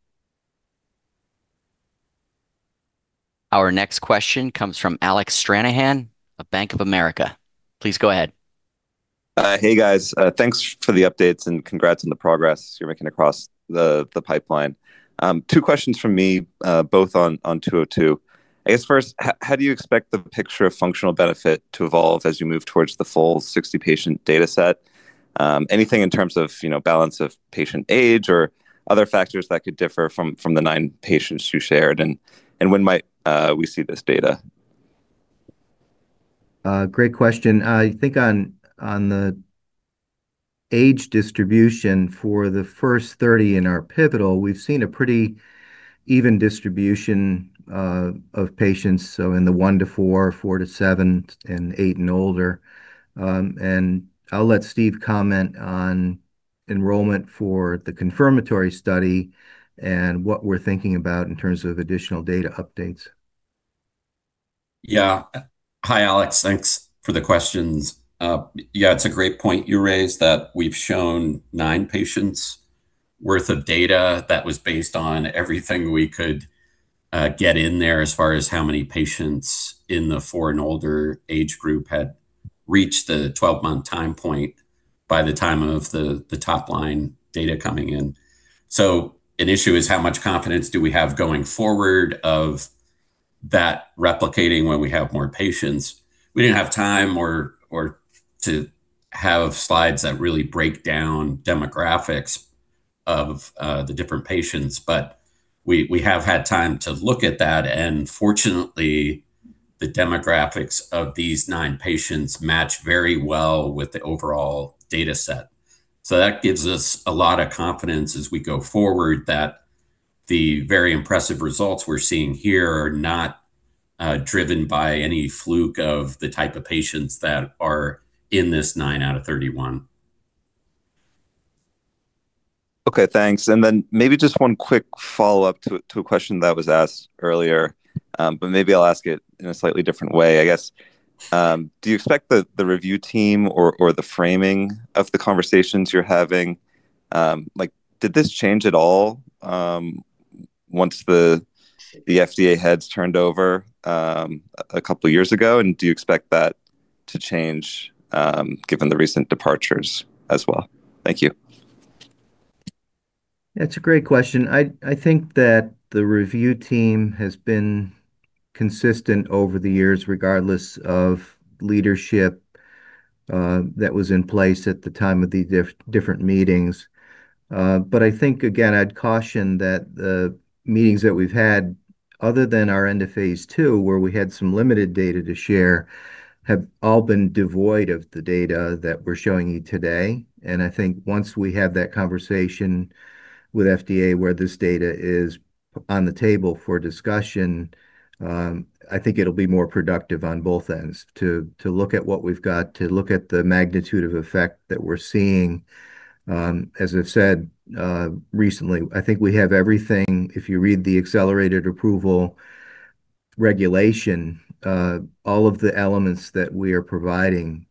Our next question comes from Alec Stranahan of Bank of America. Please go ahead. Hey guys, thanks for the updates and congrats on the progress you're making across the pipeline. Two questions from me, both on RGX-202. I guess first, how do you expect the picture of functional benefit to evolve as you move towards the full 60-patient data set? Anything in terms of, you know, balance of patient age or other factors that could differ from the nine patients you shared? When might we see this data? Great question. I think on the age distribution for the first 30 in our pivotal, we've seen a pretty even distribution of patients, so in the one to four to seven, and eight and older. I'll let Steve comment on enrollment for the confirmatory study and what we're thinking about in terms of additional data updates. Yeah. Hi Alec, thanks for the questions. Yeah, it's a great point you raised that we've shown nine patients' worth of data that was based on everything we could get in there as far as how many patients in the four and older age group had reached the 12-month time point by the time of the top-line data coming in. An issue is how much confidence do we have going forward of that replicating when we have more patients. We didn't have time or to have slides that really break down demographics of the different patients. We have had time to look at that, and fortunately, the demographics of these nine patients match very well with the overall data set. That gives us a lot of confidence as we go forward that the very impressive results we're seeing here are not driven by any fluke of the type of patients that are in this nine out of 31. Okay, thanks. Maybe just one quick follow-up to a question that was asked earlier. Maybe I'll ask it in a slightly different way, I guess. Do you expect the review team or the framing of the conversations you're having, like did this change at all, once the FDA heads turned over a couple of years ago? Do you expect that to change given the recent departures as well? Thank you. That's a great question. I think that the review team has been consistent over the years, regardless of leadership, that was in place at the time of the different meetings. I think again, I'd caution that the meetings that we've had, other than our end of phase II, where we had some limited data to share, have all been devoid of the data that we're showing you today. I think once we have that conversation with FDA where this data is on the table for discussion, I think it'll be more productive on both ends to look at what we've got, to look at the magnitude of effect that we're seeing. As I've said, recently, I think we have everything. If you read the accelerated approval regulation, all of the elements that we are providing,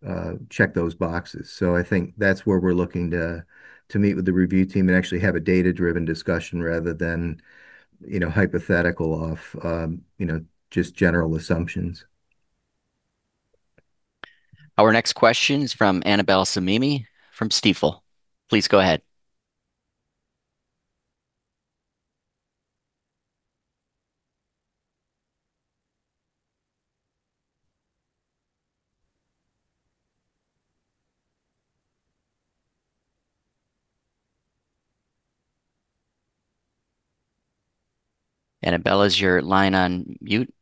check those boxes. I think that's where we're looking to meet with the review team and actually have a data-driven discussion rather than, you know, hypothetical of, you know, just general assumptions. Our next question is from Annabel Samimy from Stifel. Please go ahead. Annabel, is your line on mute?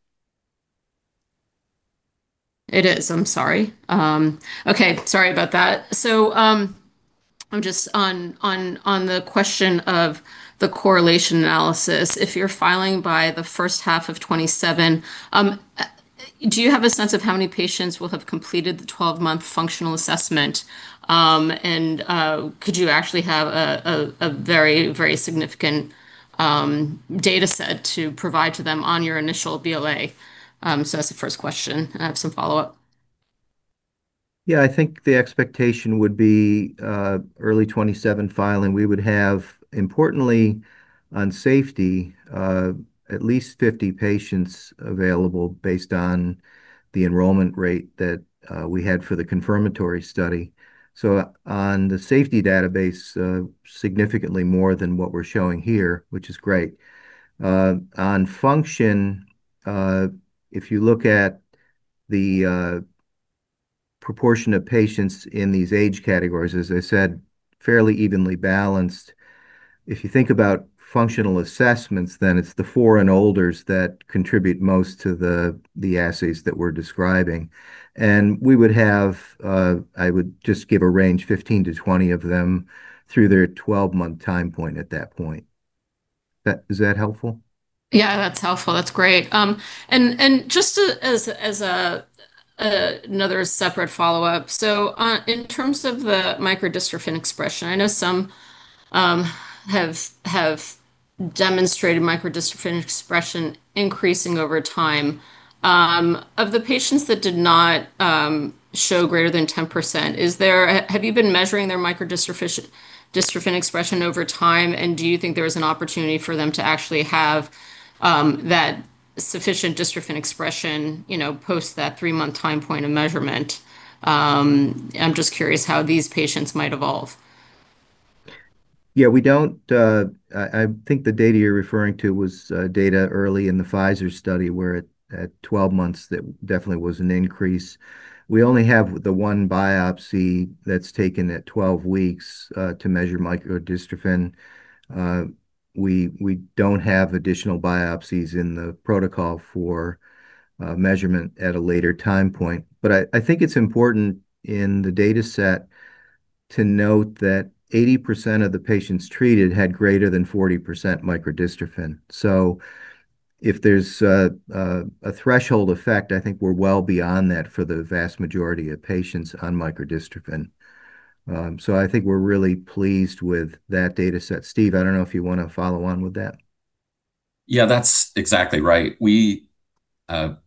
It is. I'm sorry. Okay, sorry about that. I'm just on the question of the correlation analysis. If you're filing by the first half of 2027, do you have a sense of how many patients will have completed the 12-month functional assessment? Could you actually have a very significant data set to provide to them on your initial BLA? That's the first question. I have some follow-up. Yeah. I think the expectation would be early 2027 filing. We would have importantly on safety, at least 50 patients available based on the enrollment rate that we had for the confirmatory study. On the safety database, significantly more than what we're showing here, which is great. On function, if you look at the proportion of patients in these age categories, as I said, fairly evenly balanced. If you think about functional assessments, it's the four and olders that contribute most to the assays that we're describing. We would have, I would just give a range, 15-20 of them through their 12-month time point at that point. Is that helpful? Yeah, that's helpful. That's great. Just as a another separate follow-up. In terms of the microdystrophin expression, I know some have demonstrated microdystrophin expression increasing over time. Of the patients that did not show greater than 10%, have you been measuring their microdystrophin, dystrophin expression over time, and do you think there is an opportunity for them to actually have that sufficient dystrophin expression, you know, post that three-month time point of measurement? I'm just curious how these patients might evolve. Yeah. We don't, I think the data you're referring to was data early in the Pfizer study, where at 12 months there definitely was an increase. We only have the one biopsy that's taken at 12 weeks to measure microdystrophin. We don't have additional biopsies in the protocol for measurement at a later time point. I think it's important in the data set to note that 80% of the patients treated had greater than 40% microdystrophin. If there's a threshold effect, I think we're well beyond that for the vast majority of patients on microdystrophin. I think we're really pleased with that data set. Steve, I don't know if you wanna follow on with that. Yeah. That's exactly right. We have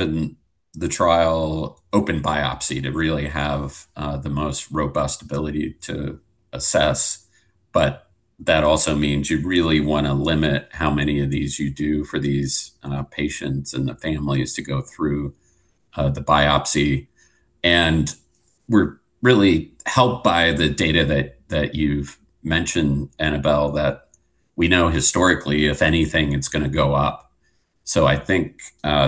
in the trial open biopsy to really have the most robust ability to assess, but that also means you really wanna limit how many of these you do for these patients and the families to go through the biopsy. We're really helped by the data that you've mentioned, Annabel, that we know historically, if anything, it's gonna go up. I think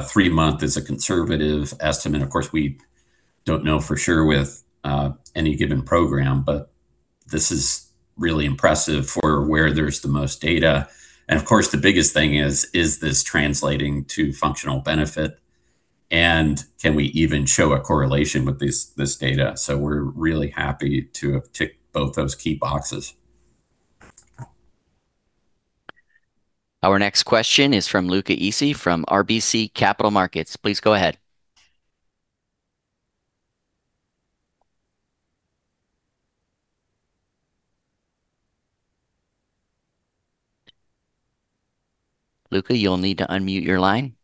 three-month is a conservative estimate. Of course, we don't know for sure with any given program, but this is really impressive for where there's the most data. Of course, the biggest thing is this translating to functional benefit, and can we even show a correlation with this data? We're really happy to have ticked both those key boxes. Our next question is from Luca Issi from RBC Capital Markets. Please go ahead. Luca, you'll need to unmute your line.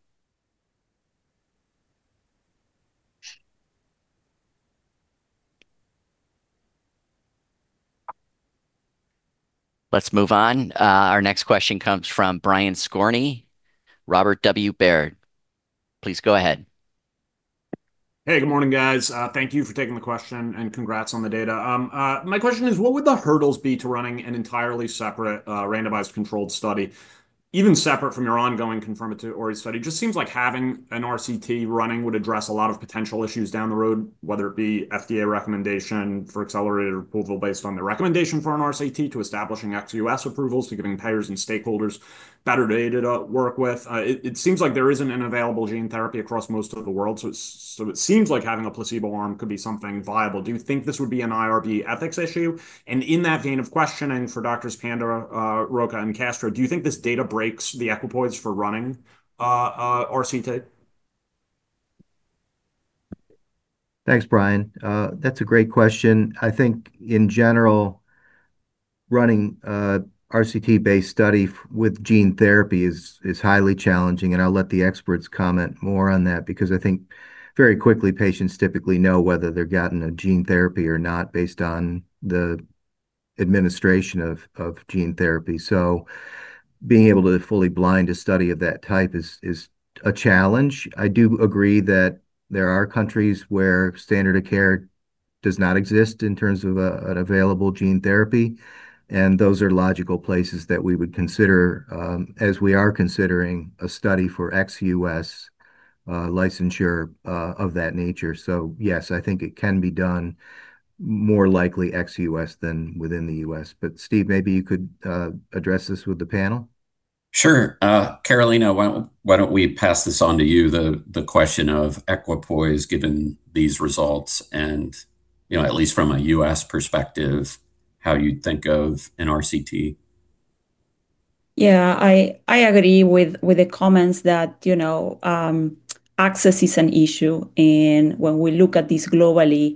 Let's move on. Our next question comes from Brian Skorney, Robert W. Baird. Please go ahead. Hey, good morning, guys. Thank you for taking the question, and congrats on the data. My question is, what would the hurdles be to running an entirely separate, randomized controlled study, even separate from your ongoing confirmatory study? Just seems like having an RCT running would address a lot of potential issues down the road, whether it be FDA recommendation for accelerated approval based on their recommendation for an RCT to establishing ex-U.S. approvals to giving payers and stakeholders better data to work with. It seems like there isn't an available gene therapy across most of the world, so it seems like having a placebo arm could be something viable. Do you think this would be an Institutional Review Board ethics issue? In that vein of questioning for Doctors Panda, Rocha, and Castro, do you think this data breaks the equipoise for running a RCT? Thanks, Brian. That's a great question. I think in general, running a RCT-based study with gene therapy is highly challenging, and I'll let the experts comment more on that because I think very quickly patients typically know whether they're gotten a gene therapy or not based on the administration of gene therapy. Being able to fully blind a study of that type is a challenge. I do agree that there are countries where standard of care does not exist in terms of an available gene therapy, and those are logical places that we would consider as we are considering a study for ex-U.S. licensure of that nature. Yes, I think it can be done more likely ex-U.S. than within the U.S. Steve, maybe you could address this with the panel. Sure. Carolina, why don't we pass this on to you, the question of equipoise given these results and, you know, at least from a U.S. perspective, how you'd think of an RCT. Yeah. I agree with the comments that, you know, access is an issue. When we look at this globally,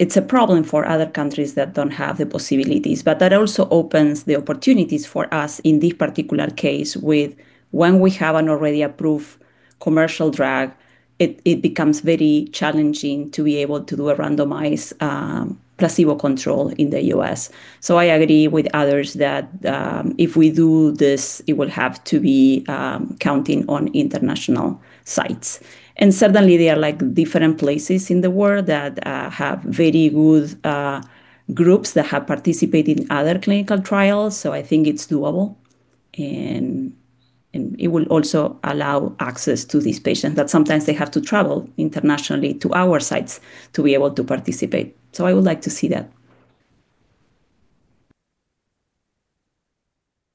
it's a problem for other countries that don't have the possibilities. That also opens the opportunities for us in this particular case when we have an already approved commercial drug, it becomes very challenging to be able to do a randomized placebo control in the U.S. I agree with others that if we do this, it will have to be counting on international sites. Certainly there are, like, different places in the world that have very good groups that have participated in other clinical trials. I think it's doable. It will also allow access to these patients that sometimes they have to travel internationally to our sites to be able to participate. I would like to see that.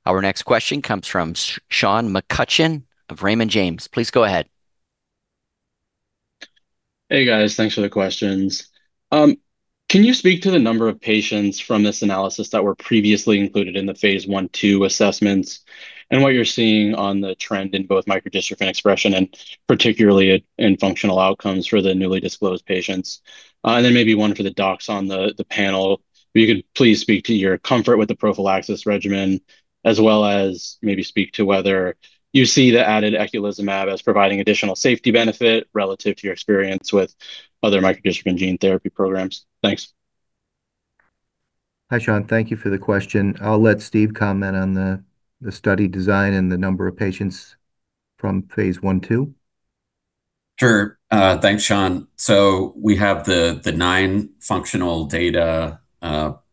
Our next question comes from Sean McCutcheon of Raymond James. Please go ahead. Hey, guys. Thanks for the questions. Can you speak to the number of patients from this analysis that were previously included in the phase I, phase II assessments, and what you're seeing on the trend in both microdystrophin expression and particularly in functional outcomes for the newly disclosed patients? Then maybe one for the docs on the panel, if you could please speak to your comfort with the prophylaxis regimen as well as maybe speak to whether you see the added eculizumab as providing additional safety benefit relative to your experience with other microdystrophin gene therapy programs? Thanks. Hi, Sean. Thank you for the question. I'll let Steve comment on the study design and the number of patients from phase I, phase II. Thanks, Sean. We have the nine functional data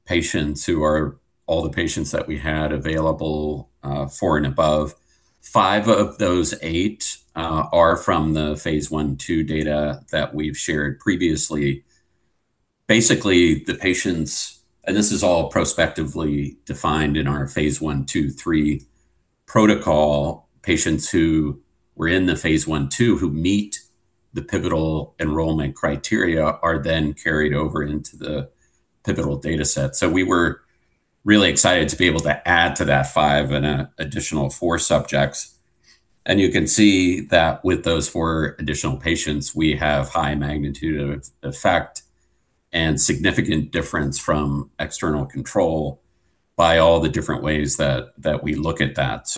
patients who are all the patients that we had available for and above. Five of those eight are from the phase I, phase II data that we've shared previously. Basically, the patients. This is all prospectively defined in our phase I, phase II, and phase III protocol. Patients who were in the phase I, phase II who meet the pivotal enrollment criteria are then carried over into the pivotal data set. We were really excited to be able to add to that five an additional four subjects. You can see that with those four additional patients we have high magnitude of effect and significant difference from external control by all the different ways that we look at that.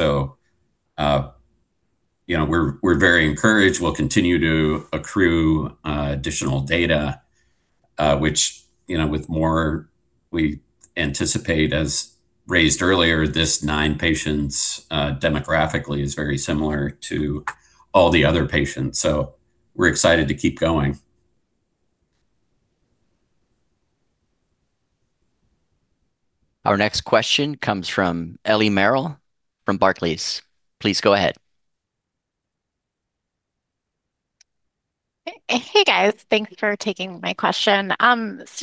You know, we're very encouraged. We'll continue to accrue additional data, which with more we anticipate, as raised earlier, this nine patients demographically is very similar to all the other patients. We're excited to keep going. Our next question comes from Ellie Merle from Barclays. Please go ahead. Hey, guys. Thanks for taking my question.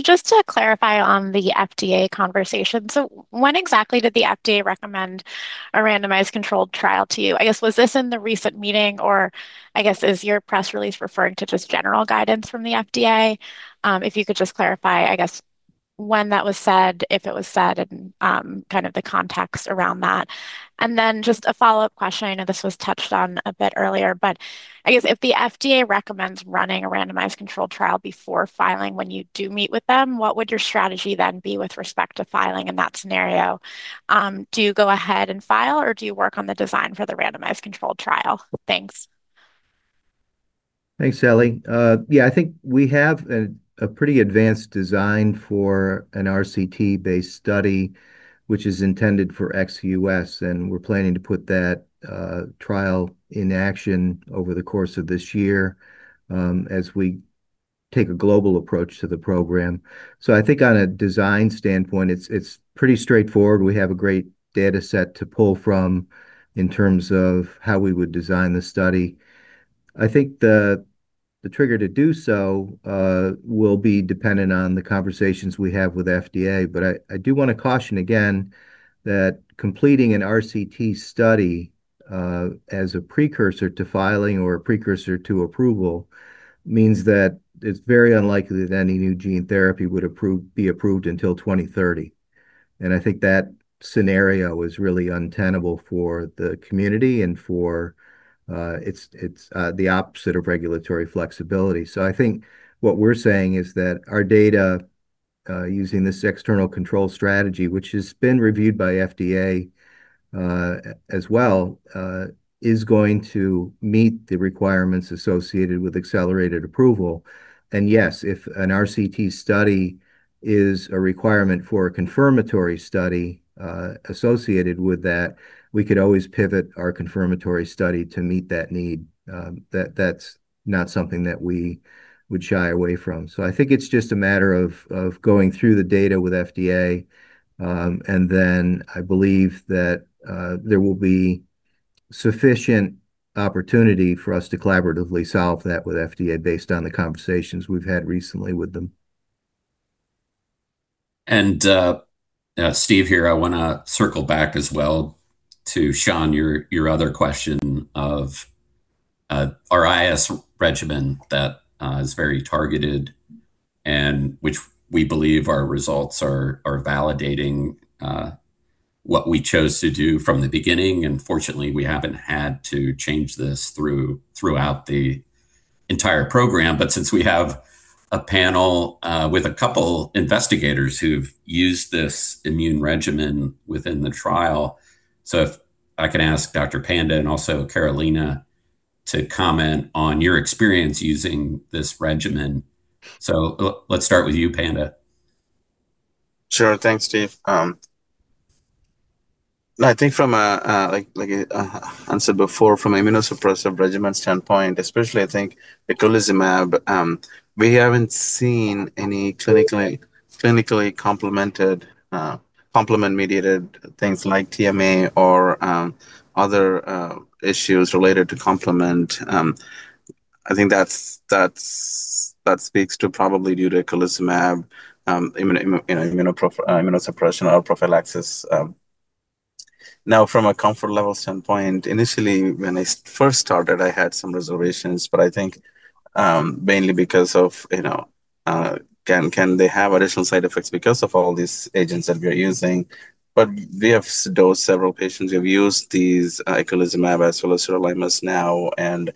Just to clarify on the FDA conversation, when exactly did the FDA recommend a randomized controlled trial to you? I guess was this in the recent meeting, or I guess is your press release referring to just general guidance from the FDA? If you could just clarify, I guess, when that was said, if it was said, and kind of the context around that. Just a follow-up question. I know this was touched on a bit earlier, I guess if the FDA recommends running a randomized controlled trial before filing when you do meet with them, what would your strategy then be with respect to filing in that scenario? Do you go ahead and file, or do you work on the design for the randomized controlled trial? Thanks. Thanks, Ellie. Yeah, I think we have a pretty advanced design for an RCT-based study, which is intended for ex-U.S., and we're planning to put that trial in action over the course of this year as we take a global approach to the program. I think on a design standpoint, it's pretty straightforward. We have a great data set to pull from in terms of how we would design the study. I think the trigger to do so will be dependent on the conversations we have with FDA. I do want to caution again that completing an RCT study as a precursor to filing or a precursor to approval means that it's very unlikely that any new gene therapy would be approved until 2030. I think that scenario is really untenable for the community and for, it's the opposite of regulatory flexibility. I think what we're saying is that our data, using this external control strategy, which has been reviewed by FDA as well, is going to meet the requirements associated with accelerated approval. Yes, if an RCT study is a requirement for a confirmatory study associated with that, we could always pivot our confirmatory study to meet that need. That's not something that we would shy away from. I think it's just a matter of going through the data with FDA, and then I believe that there will be sufficient opportunity for us to collaboratively solve that with FDA based on the conversations we've had recently with them. Steve here, I wanna circle back as well to Sean, your other question of our immunosuppressive regimen that is very targeted and which we believe our results are validating what we chose to do from the beginning. Fortunately, we haven't had to change this throughout the entire program. Since we have a panel with a couple investigators who've used this immune regimen within the trial, if I can ask Dr. Panda and also Carolina to comment on your experience using this regimen. Let's start with you, Panda. Sure. Thanks, Steve. I think from a like I answered before, from immunosuppressive regimen standpoint, especially I think eculizumab, we haven't seen any clinically complement mediated things like Thrombotic Microangiopath or other issues related to complement. I think that speaks to probably due to eculizumab you know, immunosuppression or prophylaxis. Now from a comfort level standpoint, initially when I first started, I had some reservations, I think mainly because of you know, can they have additional side effects because of all these agents that we're using. We have dosed several patients. We've used these eculizumab as well as sirolimus now, and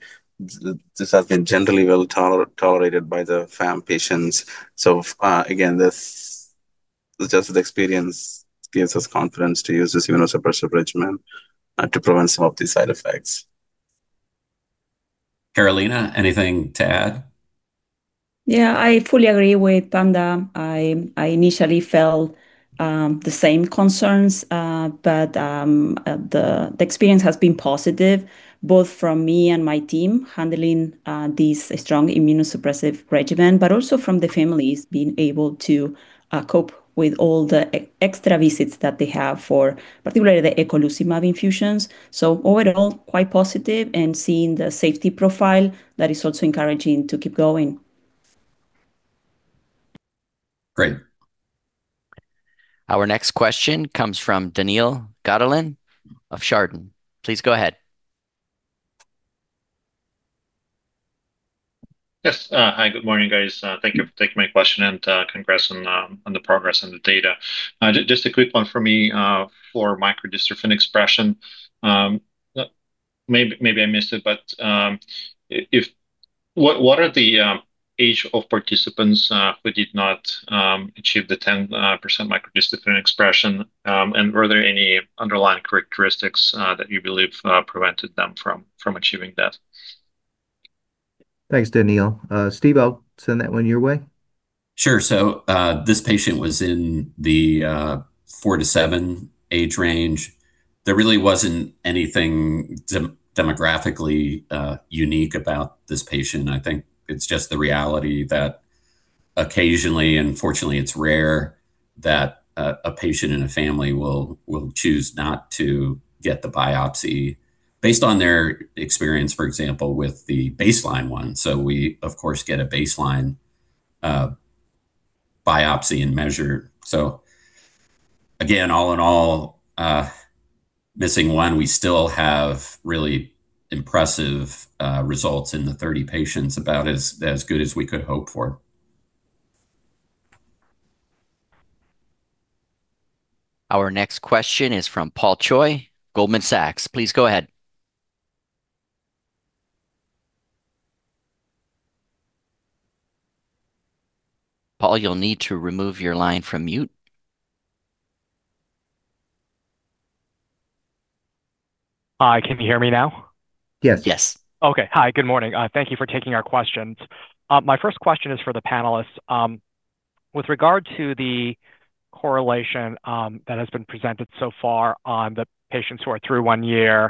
this has been generally well tolerated by the FAM patients. Again, this just the experience gives us confidence to use this immunosuppressive regimen to prevent some of these side effects. Carolina, anything to add? Yeah, I fully agree with Panda. I initially felt the same concerns, but the experience has been positive, both from me and my team handling these strong immunosuppressive regimen, but also from the families being able to cope with all the extra visits that they have for particularly the eculizumab infusions. Overall, quite positive and seeing the safety profile, that is also encouraging to keep going. Great. Our next question comes from Daniil Gataulin of Chardan. Please go ahead. Yes. Hi, good morning, guys. Thank you for taking my question and congrats on the progress and the data. Just a quick one for me, for microdystrophin expression. Maybe I missed it, but what are the age of participants who did not achieve the 10% microdystrophin expression? Were there any underlying characteristics that you believe prevented them from achieving that? Thanks, Daniil. Steve, I'll send that one your way. Sure. This patient was in the four to seven age range. There really wasn't anything demographically unique about this patient. I think it's just the reality that occasionally, and fortunately it's rare, that a patient and a family will choose not to get the biopsy based on their experience, for example, with the baseline one. We of course get a baseline biopsy and measure. Again, all in all, missing one, we still have really impressive results in the 30 patients, about as good as we could hope for. Our next question is from Paul Choi, Goldman Sachs. Please go ahead. Paul, you'll need to remove your line from mute. Hi, can you hear me now? Yes. Yes. Okay. Hi, good morning. Thank you for taking our questions. My first question is for the panelists. With regard to the correlation that has been presented so far on the patients who are through one year,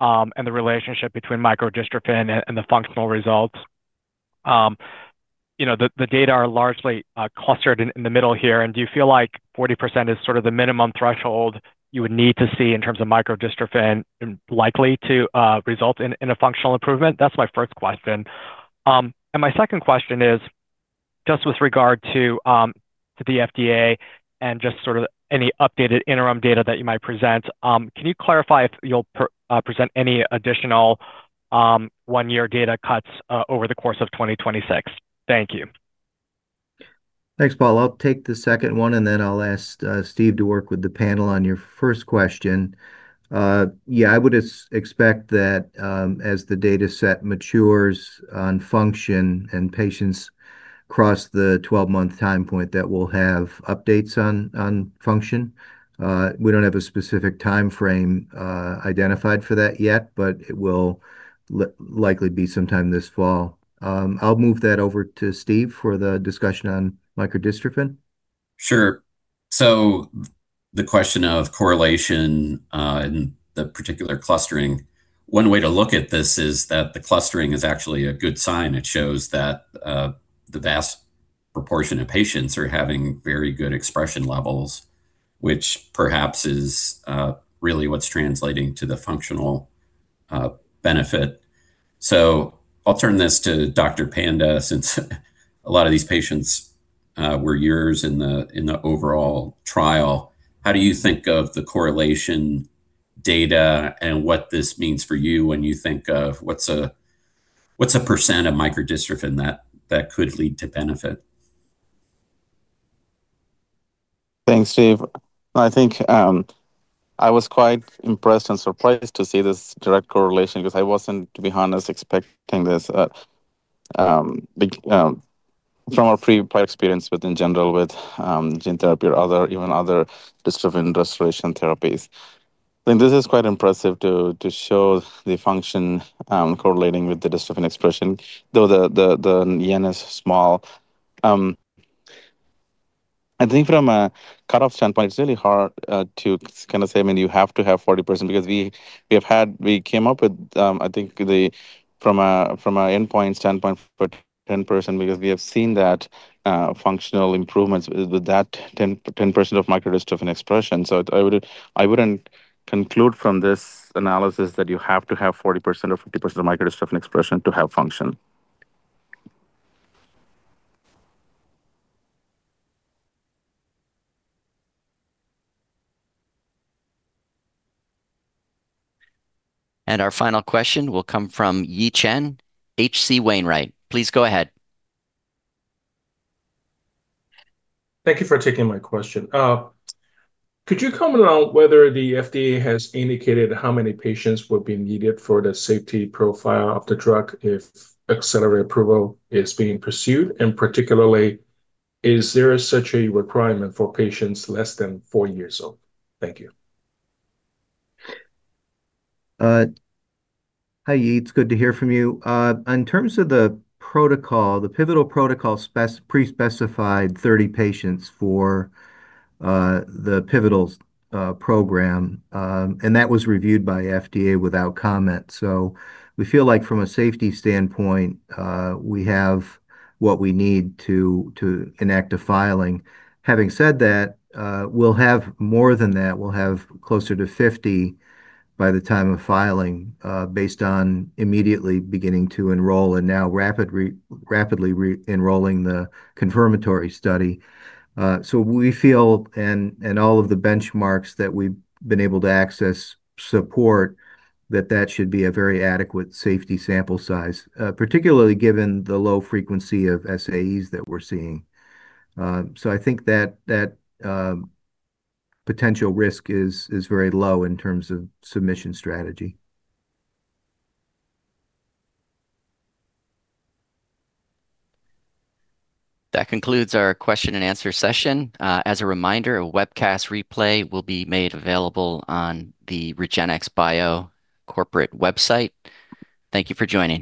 and the relationship between microdystrophin and the functional results, you know, the data are largely clustered in the middle here. Do you feel like 40% is sort of the minimum threshold you would need to see in terms of microdystrophin and likely to result in a functional improvement? That's my first question. My second question is just with regard to the FDA and just sort of any updated interim data that you might present, can you clarify if you'll present any additional one-year data cuts over the course of 2026? Thank you. Thanks, Paul. I'll take the second one, and then I'll ask Steve to work with the panel on your first question. Yeah, I would expect that, as the dataset matures on function and patients cross the 12-month time point, that we'll have updates on function. We don't have a specific timeframe identified for that yet, but it will likely be sometime this fall. I'll move that over to Steve for the discussion on microdystrophin. Sure. The question of correlation and the particular clustering, one way to look at this is that the clustering is actually a good sign. It shows that the vast proportion of patients are having very good expression levels, which perhaps is really what's translating to the functional benefit. I'll turn this to Dr. Panda since a lot of these patients were yours in the overall trial. How do you think of the correlation data and what this means for you when you think of what's a percent of microdystrophin that could lead to benefit? Thanks, Steve. I think I was quite impressed and surprised to see this direct correlation because I wasn't, to be honest, expecting this from our pre-prior experience with, in general with, gene therapy or other, even other dystrophin restoration therapies. I think this is quite impressive to show the function correlating with the dystrophin expression, though the N is small. I think from a cutoff standpoint, it's really hard to kind of say, I mean, you have to have 40% because We came up with from a endpoint standpoint for 10% because we have seen that functional improvements with that 10% of microdystrophin expression. I wouldn't conclude from this analysis that you have to have 40% or 50% of microdystrophin expression to have function. Our final question will come from Yi Chen, H.C. Wainwright. Please go ahead. Thank you for taking my question. Could you comment on whether the FDA has indicated how many patients would be needed for the safety profile of the drug if accelerated approval is being pursued? Particularly, is there such a requirement for patients less than four years old? Thank you. Hi, Yi. It's good to hear from you. In terms of the protocol, the pivotal protocol pre-specified 30 patients for the pivotal program. That was reviewed by FDA without comment. We feel like from a safety standpoint, we have what we need to enact a filing. Having said that, we'll have more than that. We'll have closer to 50 by the time of filing, based on immediately beginning to enroll and now rapidly re-enrolling the confirmatory study. We feel, and all of the benchmarks that we've been able to access support that that should be a very adequate safety sample size, particularly given the low frequency of SAEs that we're seeing. I think that potential risk is very low in terms of submission strategy. That concludes our question and answer session. As a reminder, a webcast replay will be made available on the REGENXBIO corporate website. Thank you for joining us